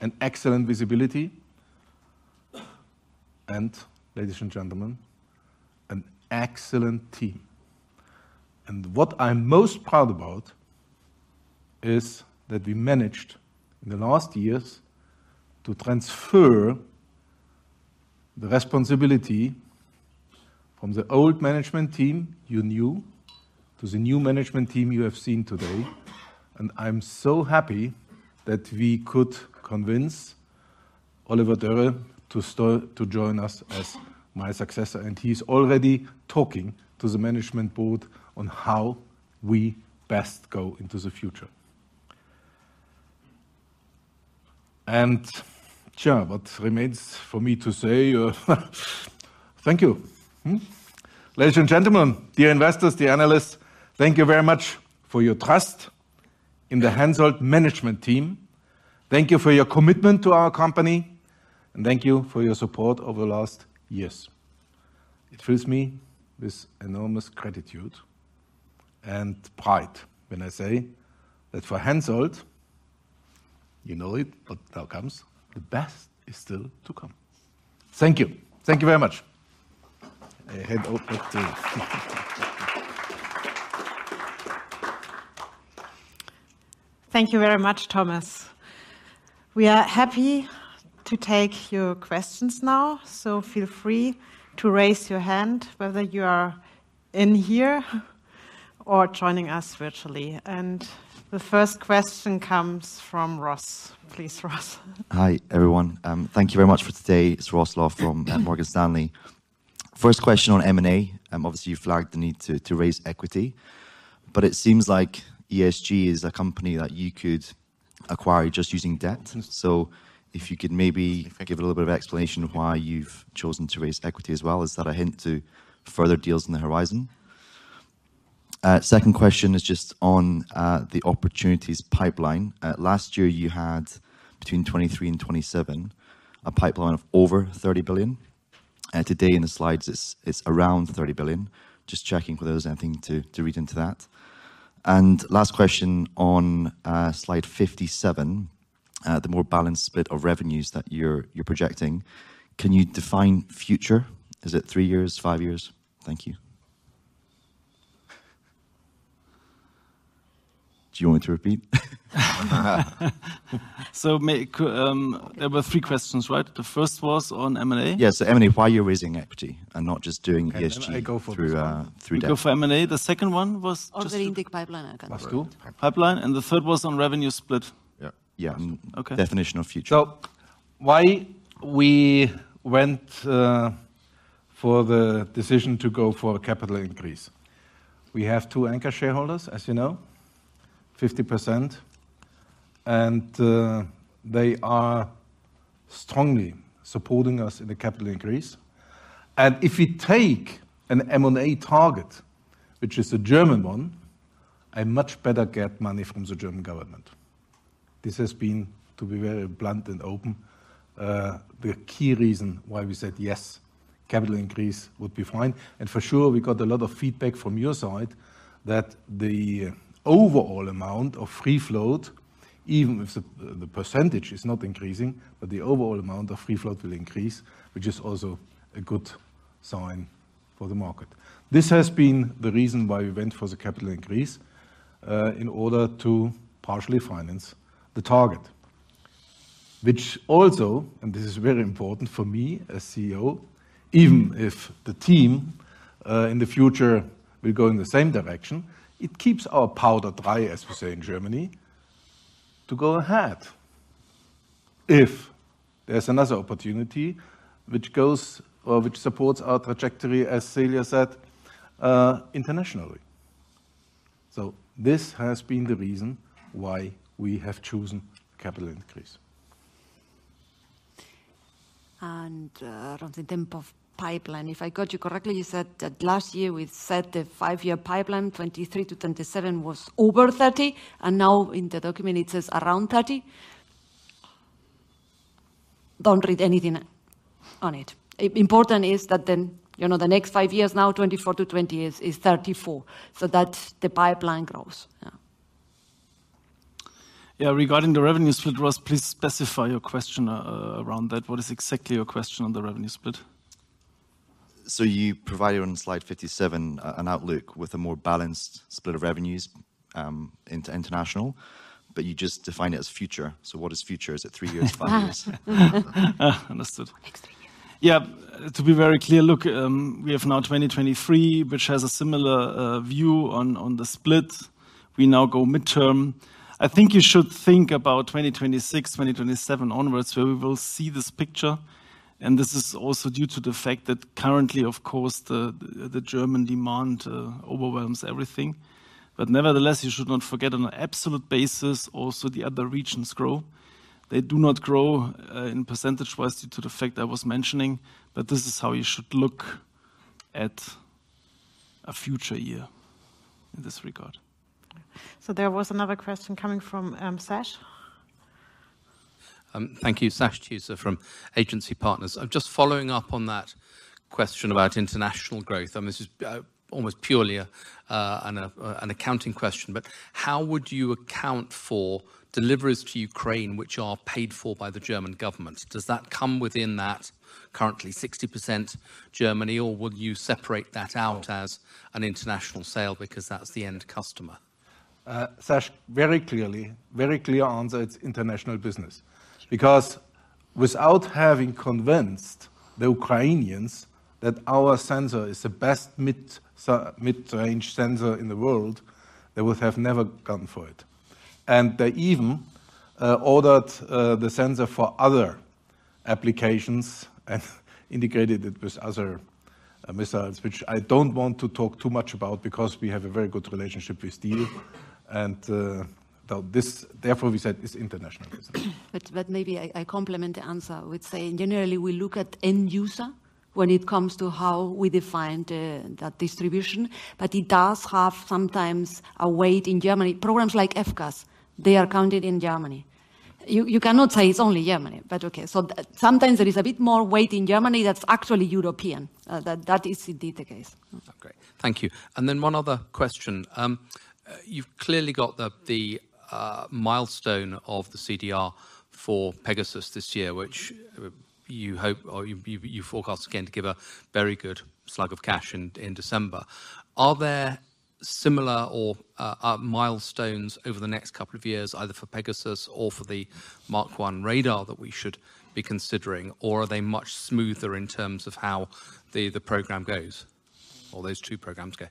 and excellent visibility, and ladies and gentlemen, an excellent team. What I'm most proud about is that we managed, in the last years, to transfer the responsibility from the old management team you knew, to the new management team you have seen today. I'm so happy that we could convince Oliver Dörre to join us as my successor, and he's already talking to the management board on how we best go into the future. Sure, what remains for me to say, thank you. Ladies and gentlemen, dear investors, dear analysts, thank you very much for your trust in the HENSOLDT management team. Thank you for your commitment to our company and thank you for your support over the last years. It fills me with enormous gratitude and pride when I say that for HENSOLDT, you know it, but now comes, the best is still to come. Thank you. Thank you very much. I head out up to- Thank you very much, Thomas. We are happy to take your questions now, so feel free to raise your hand, whether you are in here or joining us virtually. And the first question comes from Ross. Please, Ross. Hi, everyone. Thank you very much for today. It's Ross Law from Morgan Stanley. First question on M&A. Obviously, you flagged the need to raise equity, but it seems like ESG is a company that you could acquire just using debt. So if you could maybe give a little bit of explanation of why you've chosen to raise equity as well. Is that a hint to further deals on the horizon? Second question is just on the opportunities pipeline. Last year you had between 2023 and 2027, a pipeline of over 30 billion. Today in the slides, it's around 30 billion. Just checking whether there's anything to read into that. And last question on slide 57, the more balanced split of revenues that you're projecting. Can you define future? Is it three years, five years? Thank you. Do you want me to repeat? So, there were three questions, right? The first was on M&A. Yes, M&A, why you're raising equity and not just doing ESG- I go for this one.... through debt. You go for M&A. The second one was just- On the India pipeline, I can. Let's go. Pipeline, and the third was on revenue split. Yeah. Yeah. Okay. Definition of future. So why we went for the decision to go for a capital increase? We have two anchor shareholders, as you know, 50%, and they are strongly supporting us in the capital increase. If we take an M&A target, which is a German one, I much better get money from the German government. This has been, to be very blunt and open, the key reason why we said, "Yes, capital increase would be fine." For sure, we got a lot of feedback from your side that the overall amount of free float, even if the percentage is not increasing, but the overall amount of free float will increase, which is also a good sign for the market. This has been the reason why we went for the capital increase in order to partially finance the target. Which also, and this is very important for me as CEO, even if the team in the future will go in the same direction, it keeps our powder dry, as we say in Germany, to go ahead if there's another opportunity which goes or which supports our trajectory, as Celia said, internationally. So this has been the reason why we have chosen capital increase. On the tempo of pipeline, if I got you correctly, you said that last year we set the five-year pipeline, 2023-2027 was over 30, and now in the document it says around 30? Don't read anything into it. Important is that then, you know, the next five years now, 2024-2028 is 34. So that's the pipeline growth. Yeah. Yeah, regarding the revenue split, Ross, please specify your question around that. What is exactly your question on the revenue split? So you provide here on slide 57, an outlook with a more balanced split of revenues into international, but you just define it as future. So what is future? Is it three years, five years? Understood. Next three years. Yeah, to be very clear, look, we have now 2023, which has a similar view on the split. We now go midterm. I think you should think about 2026, 2027 onwards, where we will see this picture. And this is also due to the fact that currently, of course, the German demand overwhelms everything. But nevertheless, you should not forget, on an absolute basis, also the other regions grow. They do not grow in percentage-wise due to the fact I was mentioning, but this is how you should look at a future year in this regard. There was another question coming from Sash. Thank you. Sash Tusa from Agency Partners. I'm just following up on that question about international growth, and this is almost purely an accounting question. But how would you account for deliveries to Ukraine which are paid for by the German government? Does that come within that currently 60% Germany, or would you separate that out as an international sale because that's the end customer? Sash, very clearly, very clear answer, it's international business. Sure. Because without having convinced the Ukrainians that our sensor is the best mid-range sensor in the world, they would have never gone for it. And they even ordered the sensor for other applications and integrated it with other missiles, which I don't want to talk too much about because we have a very good relationship with Diehl. And though this, therefore, we said, is international business. But maybe I complement the answer. I would say generally, we look at end user when it comes to how we define that distribution, but it does have sometimes a weight in Germany. Programs like FCAS, they are counted in Germany. You cannot say it's only Germany, but okay. So sometimes there is a bit more weight in Germany that's actually European. That is indeed the case. Okay. Thank you. And then one other question. You've clearly got the milestone of the CDR for Pegasus this year, which you hope or you forecast again to give a very good slug of cash in December. Are there similar or milestones over the next couple of years, either for Pegasus or for the Mark 1 radar, that we should be considering? Or are they much smoother in terms of how the program goes, or those two programs go?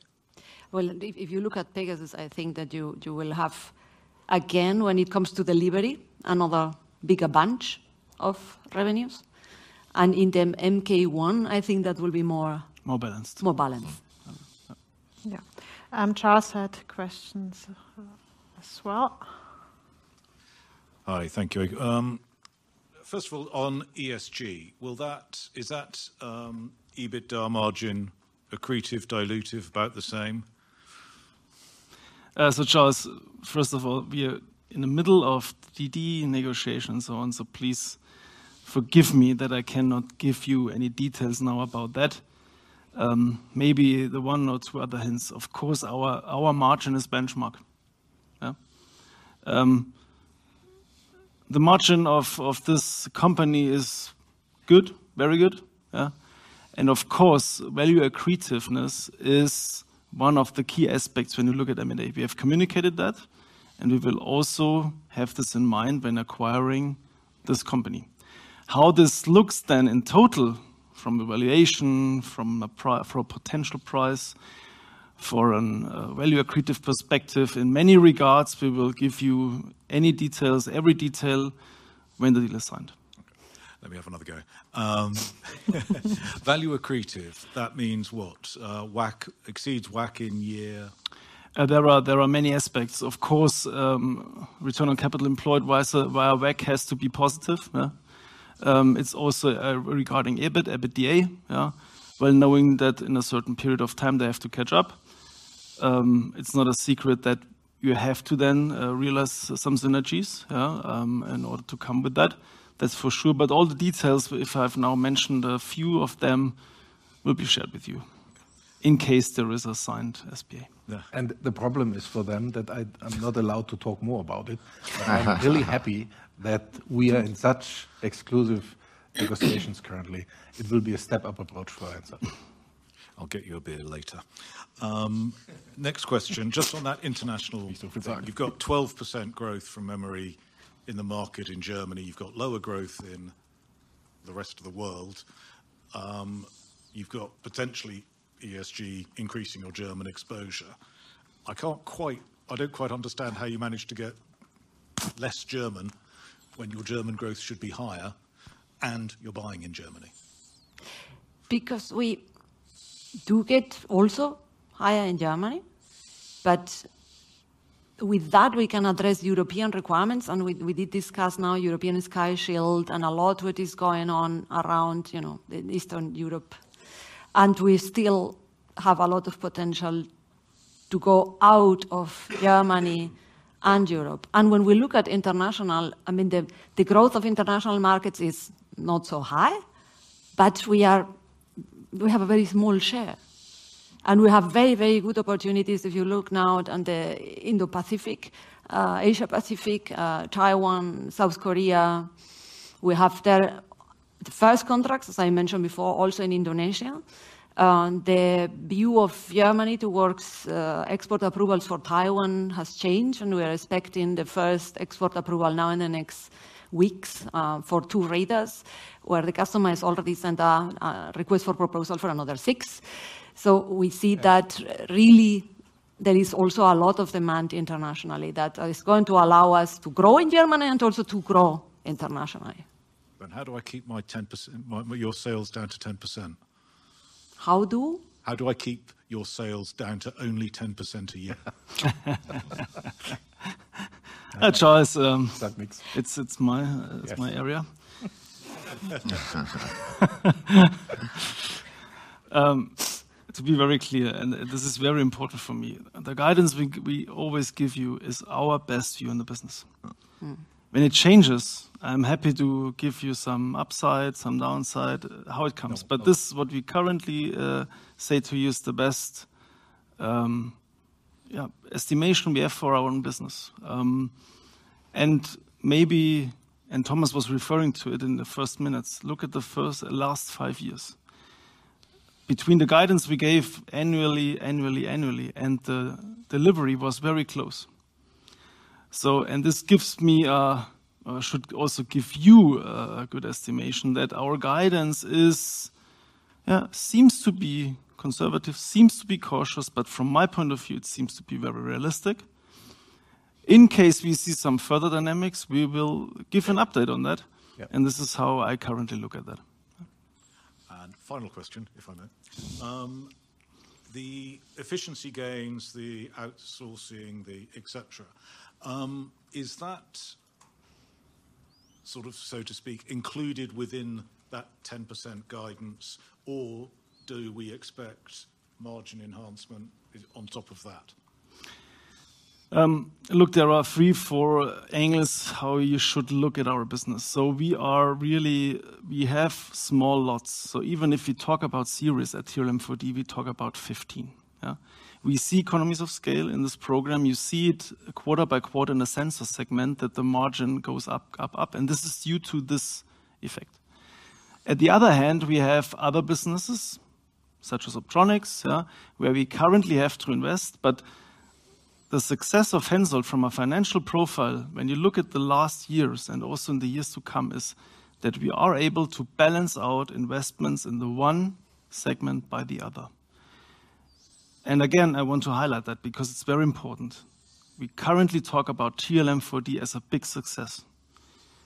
Well, if you look at Pegasus, I think that you will have, again, when it comes to delivery, another bigger bunch of revenues. And in the MK 1, I think that will be more- More balanced. More balanced. Um, yeah. Charles had questions as well. Hi, thank you. First of all, on ESG, is that EBITDA margin accretive, dilutive, about the same? So Charles, first of all, we are in the middle of DD negotiations on, so please forgive me that I cannot give you any details now about that. Maybe the one or two other hints, of course, our margin is benchmark. The margin of this company is good, very good. And of course, value accretiveness is one of the key aspects when you look at M&A. We have communicated that, and we will also have this in mind when acquiring this company. How this looks then in total, from the valuation, from a potential price, for value accretive perspective, in many regards, we will give you any details, every detail when the deal is signed. Okay, let me have another go. Value accretive, that means what? WACC exceeds WACC in year? There are, there are many aspects. Of course, return on capital employed, whilst, while WACC has to be positive, yeah? It's also, regarding EBIT, EBITDA, yeah, while knowing that in a certain period of time, they have to catch up. It's not a secret that you have to then, realize some synergies, yeah, in order to come with that. That's for sure. But all the details, if I've now mentioned a few of them, will be shared with you in case there is a signed SPA. Yeah. The problem is for them that I'm not allowed to talk more about it. But I'm really happy that we are in such exclusive negotiations currently. It will be a step up approach for HENSOLDT. I'll get you a beer later. Next question, just on that international- We still can talk. You've got 12% growth from memory in the market in Germany. You've got lower growth in the rest of the world. You've got potentially ESG increasing your German exposure. I can't quite, I don't quite understand how you managed to get less German when your German growth should be higher and you're buying in Germany. Because we do get also higher in Germany, but with that, we can address European requirements, and we did discuss now European Sky Shield and a lot what is going on around, you know, the Eastern Europe. And we still have a lot of potential to go out of Germany and Europe. And when we look at international, I mean, the growth of international markets is not so high, but we have a very small share. And we have very, very good opportunities if you look now at on the Indo-Pacific, Asia Pacific, Taiwan, South Korea. We have the first contracts, as I mentioned before, also in Indonesia. The view of Germany towards export approvals for Taiwan has changed, and we are expecting the first export approval now in the next weeks for two radars, where the customer has already sent a request for proposal for another six. So we see that really there is also a lot of demand internationally that is going to allow us to grow in Germany and also to grow internationally. How do I keep my 10%-- my, your sales down to 10%? How do? How do I keep your sales down to only 10% a year? Charles, That makes- It's my- Yes.... it's my area. To be very clear, and this is very important for me, the guidance we always give you is our best view in the business. When it changes, I'm happy to give you some upside, some downside, how it comes. But this is what we currently say to you is the best estimation we have for our own business. And maybe, and Thomas was referring to it in the first minutes, look at the last five years. Between the guidance we gave annually, annually, annually, and the delivery was very close. So, and this gives me a, should also give you a, a good estimation that our guidance is, seems to be conservative, seems to be cautious, but from my point of view, it seems to be very realistic. In case we see some further dynamics, we will give an update on that. Yeah. This is how I currently look at that. Final question, if I may. The efficiency gains, the outsourcing, the et cetera, is that, sort of, so to speak, included within that 10% guidance, or do we expect margin enhancement on top of that? Look, there are three, four angles how you should look at our business. So we are really—we have small lots. So even if you talk about series at TRML-4D, we talk about 15. Yeah. We see economies of scale in this program. You see it quarter by quarter in a Sensors segment, that the margin goes up, up, up, and this is due to this effect. At the other hand, we have other businesses, such as Optronics, yeah, where we currently have to invest. But the success of HENSOLDT from a financial profile, when you look at the last years and also in the years to come, is that we are able to balance out investments in the one segment by the other. And again, I want to highlight that because it's very important. We currently talk about TRML-4D as a big success.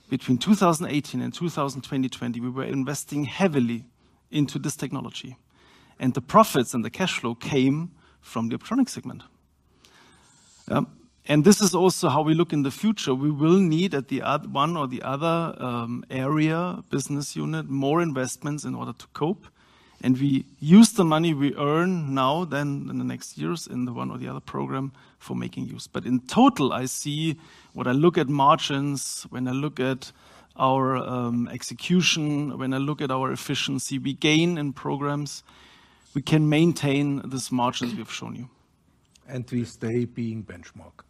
Between 2018 and 2020, we were investing heavily into this technology, and the profits and the cash flow came from the Optronics segment. This is also how we look in the future. We will need at the odd one or the other area, business unit, more investments in order to cope, and we use the money we earn now than in the next years in the one or the other program for making use. But in total, I see when I look at margins, when I look at our execution, when I look at our efficiency we gain in programs, we can maintain this margin we've shown you. We stay being benchmark.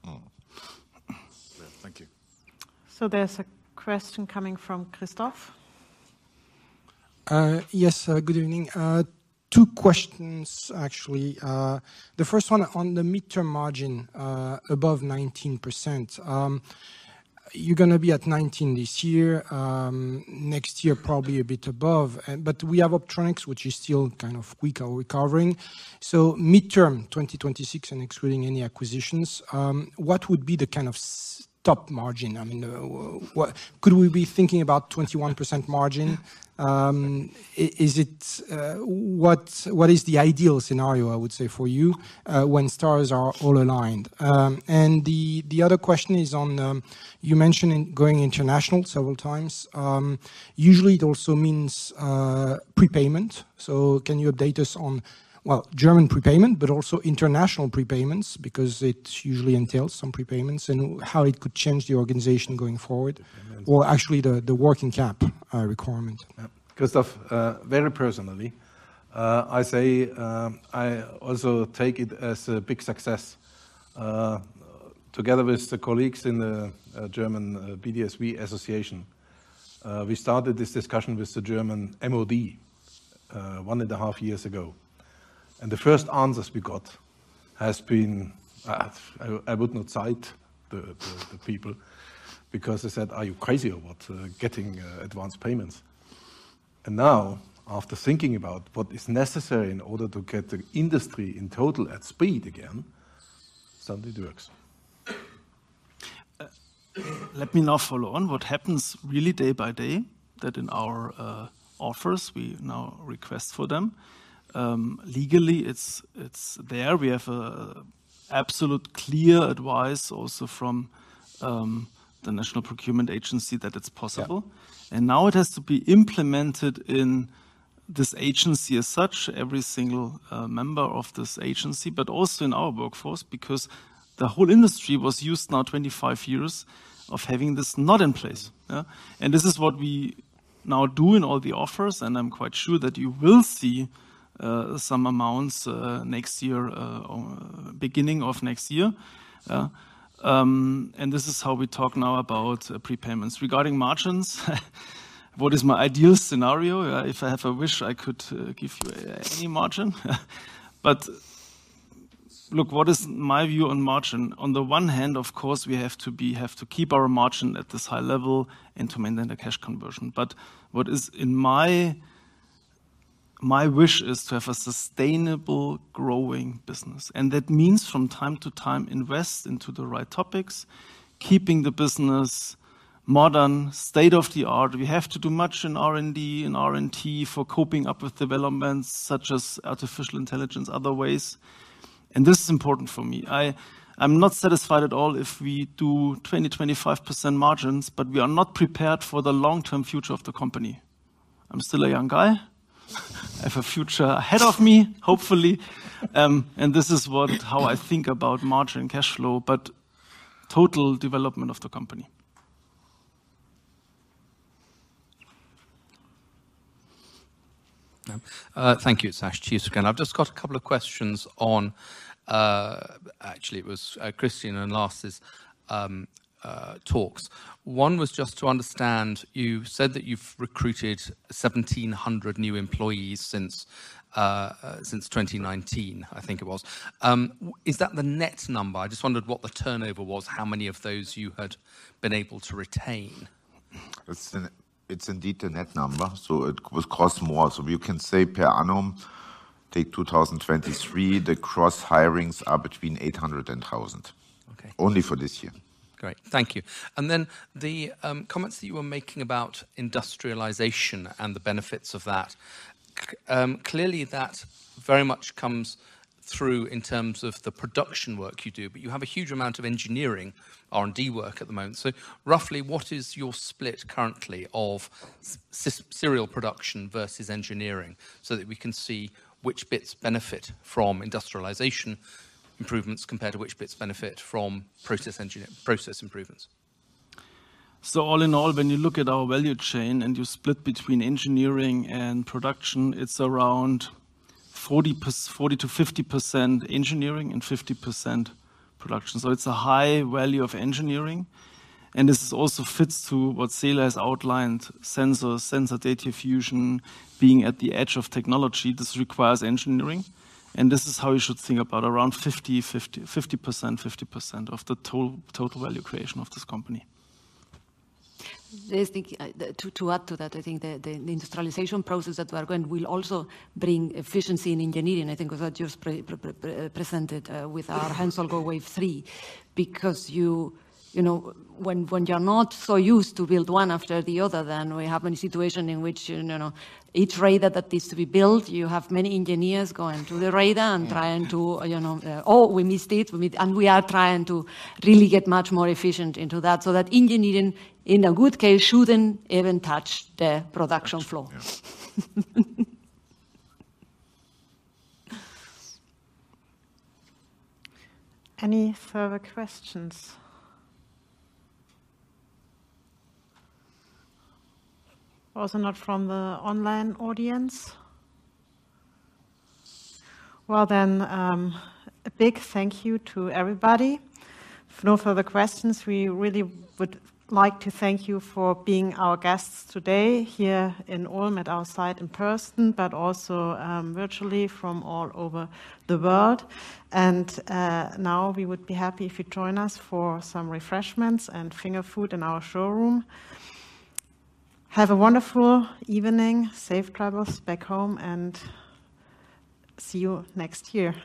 Thank you. There's a question coming from Christophe. Yes. Good evening. Two questions, actually. The first one on the midterm margin, above 19%. You're gonna be at 19% this year, next year, probably a bit above. But we have Optronics, which is still kind of weak or recovering. So midterm, 2026 and excluding any acquisitions, what would be the kind of top margin? I mean, what could we be thinking about 21% margin? Is it, what is the ideal scenario, I would say, for you, when stars are all aligned? And the other question is on, you mentioning going international several times. Usually, it also means, prepayment. Can you update us on, well, German prepayment, but also international prepayments, because it usually entails some prepayments, and how it could change the organization going forward, or actually the working cap requirement? Christophe, very personally, I say, I also take it as a big success. Together with the colleagues in the German BDSV association, we started this discussion with the German MoD, one and a half years ago. And the first answers we got has been, I would not cite the people, because they said: "Are you crazy about getting advance payments?" And now, after thinking about what is necessary in order to get the industry in total at speed again, something works. Let me now follow on what happens really day by day, that in our offers, we now request for them. Legally, it's there. We have an absolute clear advice also from the National Procurement Agency that it's possible. Yeah. And now it has to be implemented in this agency as such, every single member of this agency, but also in our workforce, because the whole industry was used now 25 years of having this not in place, yeah? And this is what we now doing all the offers, and I'm quite sure that you will see some amounts next year or beginning of next year. And this is how we talk now about prepayments. Regarding margins, what is my ideal scenario? If I have a wish, I could give you any margin. But look, what is my view on margin? On the one hand, of course, we have to keep our margin at this high level and to maintain the cash conversion. But what is in my... My wish is to have a sustainable, growing business, and that means from time to time, invest into the right topics, keeping the business modern, state-of-the-art. We have to do much in R&D and R&T for coping up with developments such as artificial intelligence, other ways, and this is important for me. I'm not satisfied at all if we do 20%-25% margins, but we are not prepared for the long-term future of the company. I'm still a young guy. I have a future ahead of me, hopefully. And this is how I think about margin cash flow, but total development of the company. Thank you, Sash Tusa again. I've just got a couple of questions on, actually, it was Christian and Lars's talks. One was just to understand, you said that you've recruited 1,700 new employees since, since 2019, I think it was. Is that the net number? I just wondered what the turnover was, how many of those you had been able to retain? It's indeed a net number, so it will cost more. So we can say per annum, take 2023, the gross hirings are between 800 and 1,000. Okay. Only for this year. Great. Thank you. And then the comments that you were making about industrialization and the benefits of that. Clearly, that very much comes through in terms of the production work you do, but you have a huge amount of engineering R&D work at the moment. So roughly, what is your split currently of serial production versus engineering, so that we can see which bits benefit from industrialization improvements compared to which bits benefit from process improvements? All in all, when you look at our value chain and you split between engineering and production, it's around 40%-50% engineering and 50% production. It's a high value of engineering, and this also fits to what Celia has outlined, sensors, sensor data fusion, being at the edge of technology. This requires engineering, and this is how you should think about around 50/50, 50% of the total value creation of this company. I think to add to that, I think the industrialization process that we are going will also bring efficiency in engineering. I think without just previously presented with our HENSOLDT Go! Wave 3, because you know, when you are not so used to build one after the other, then we have a situation in which, you know, each radar that needs to be built, you have many engineers going to the radar and trying to, you know, "Oh, we missed it. We..." And we are trying to really get much more efficient into that, so that engineering, in a good case, shouldn't even touch the production floor. Yeah. Any further questions? Also not from the online audience. Well, then, a big thank you to everybody. If no further questions, we really would like to thank you for being our guests today here in Ulm at our site in person, but also, virtually from all over the world. Now we would be happy if you join us for some refreshments and finger food in our showroom. Have a wonderful evening, safe travels back home, and see you next year.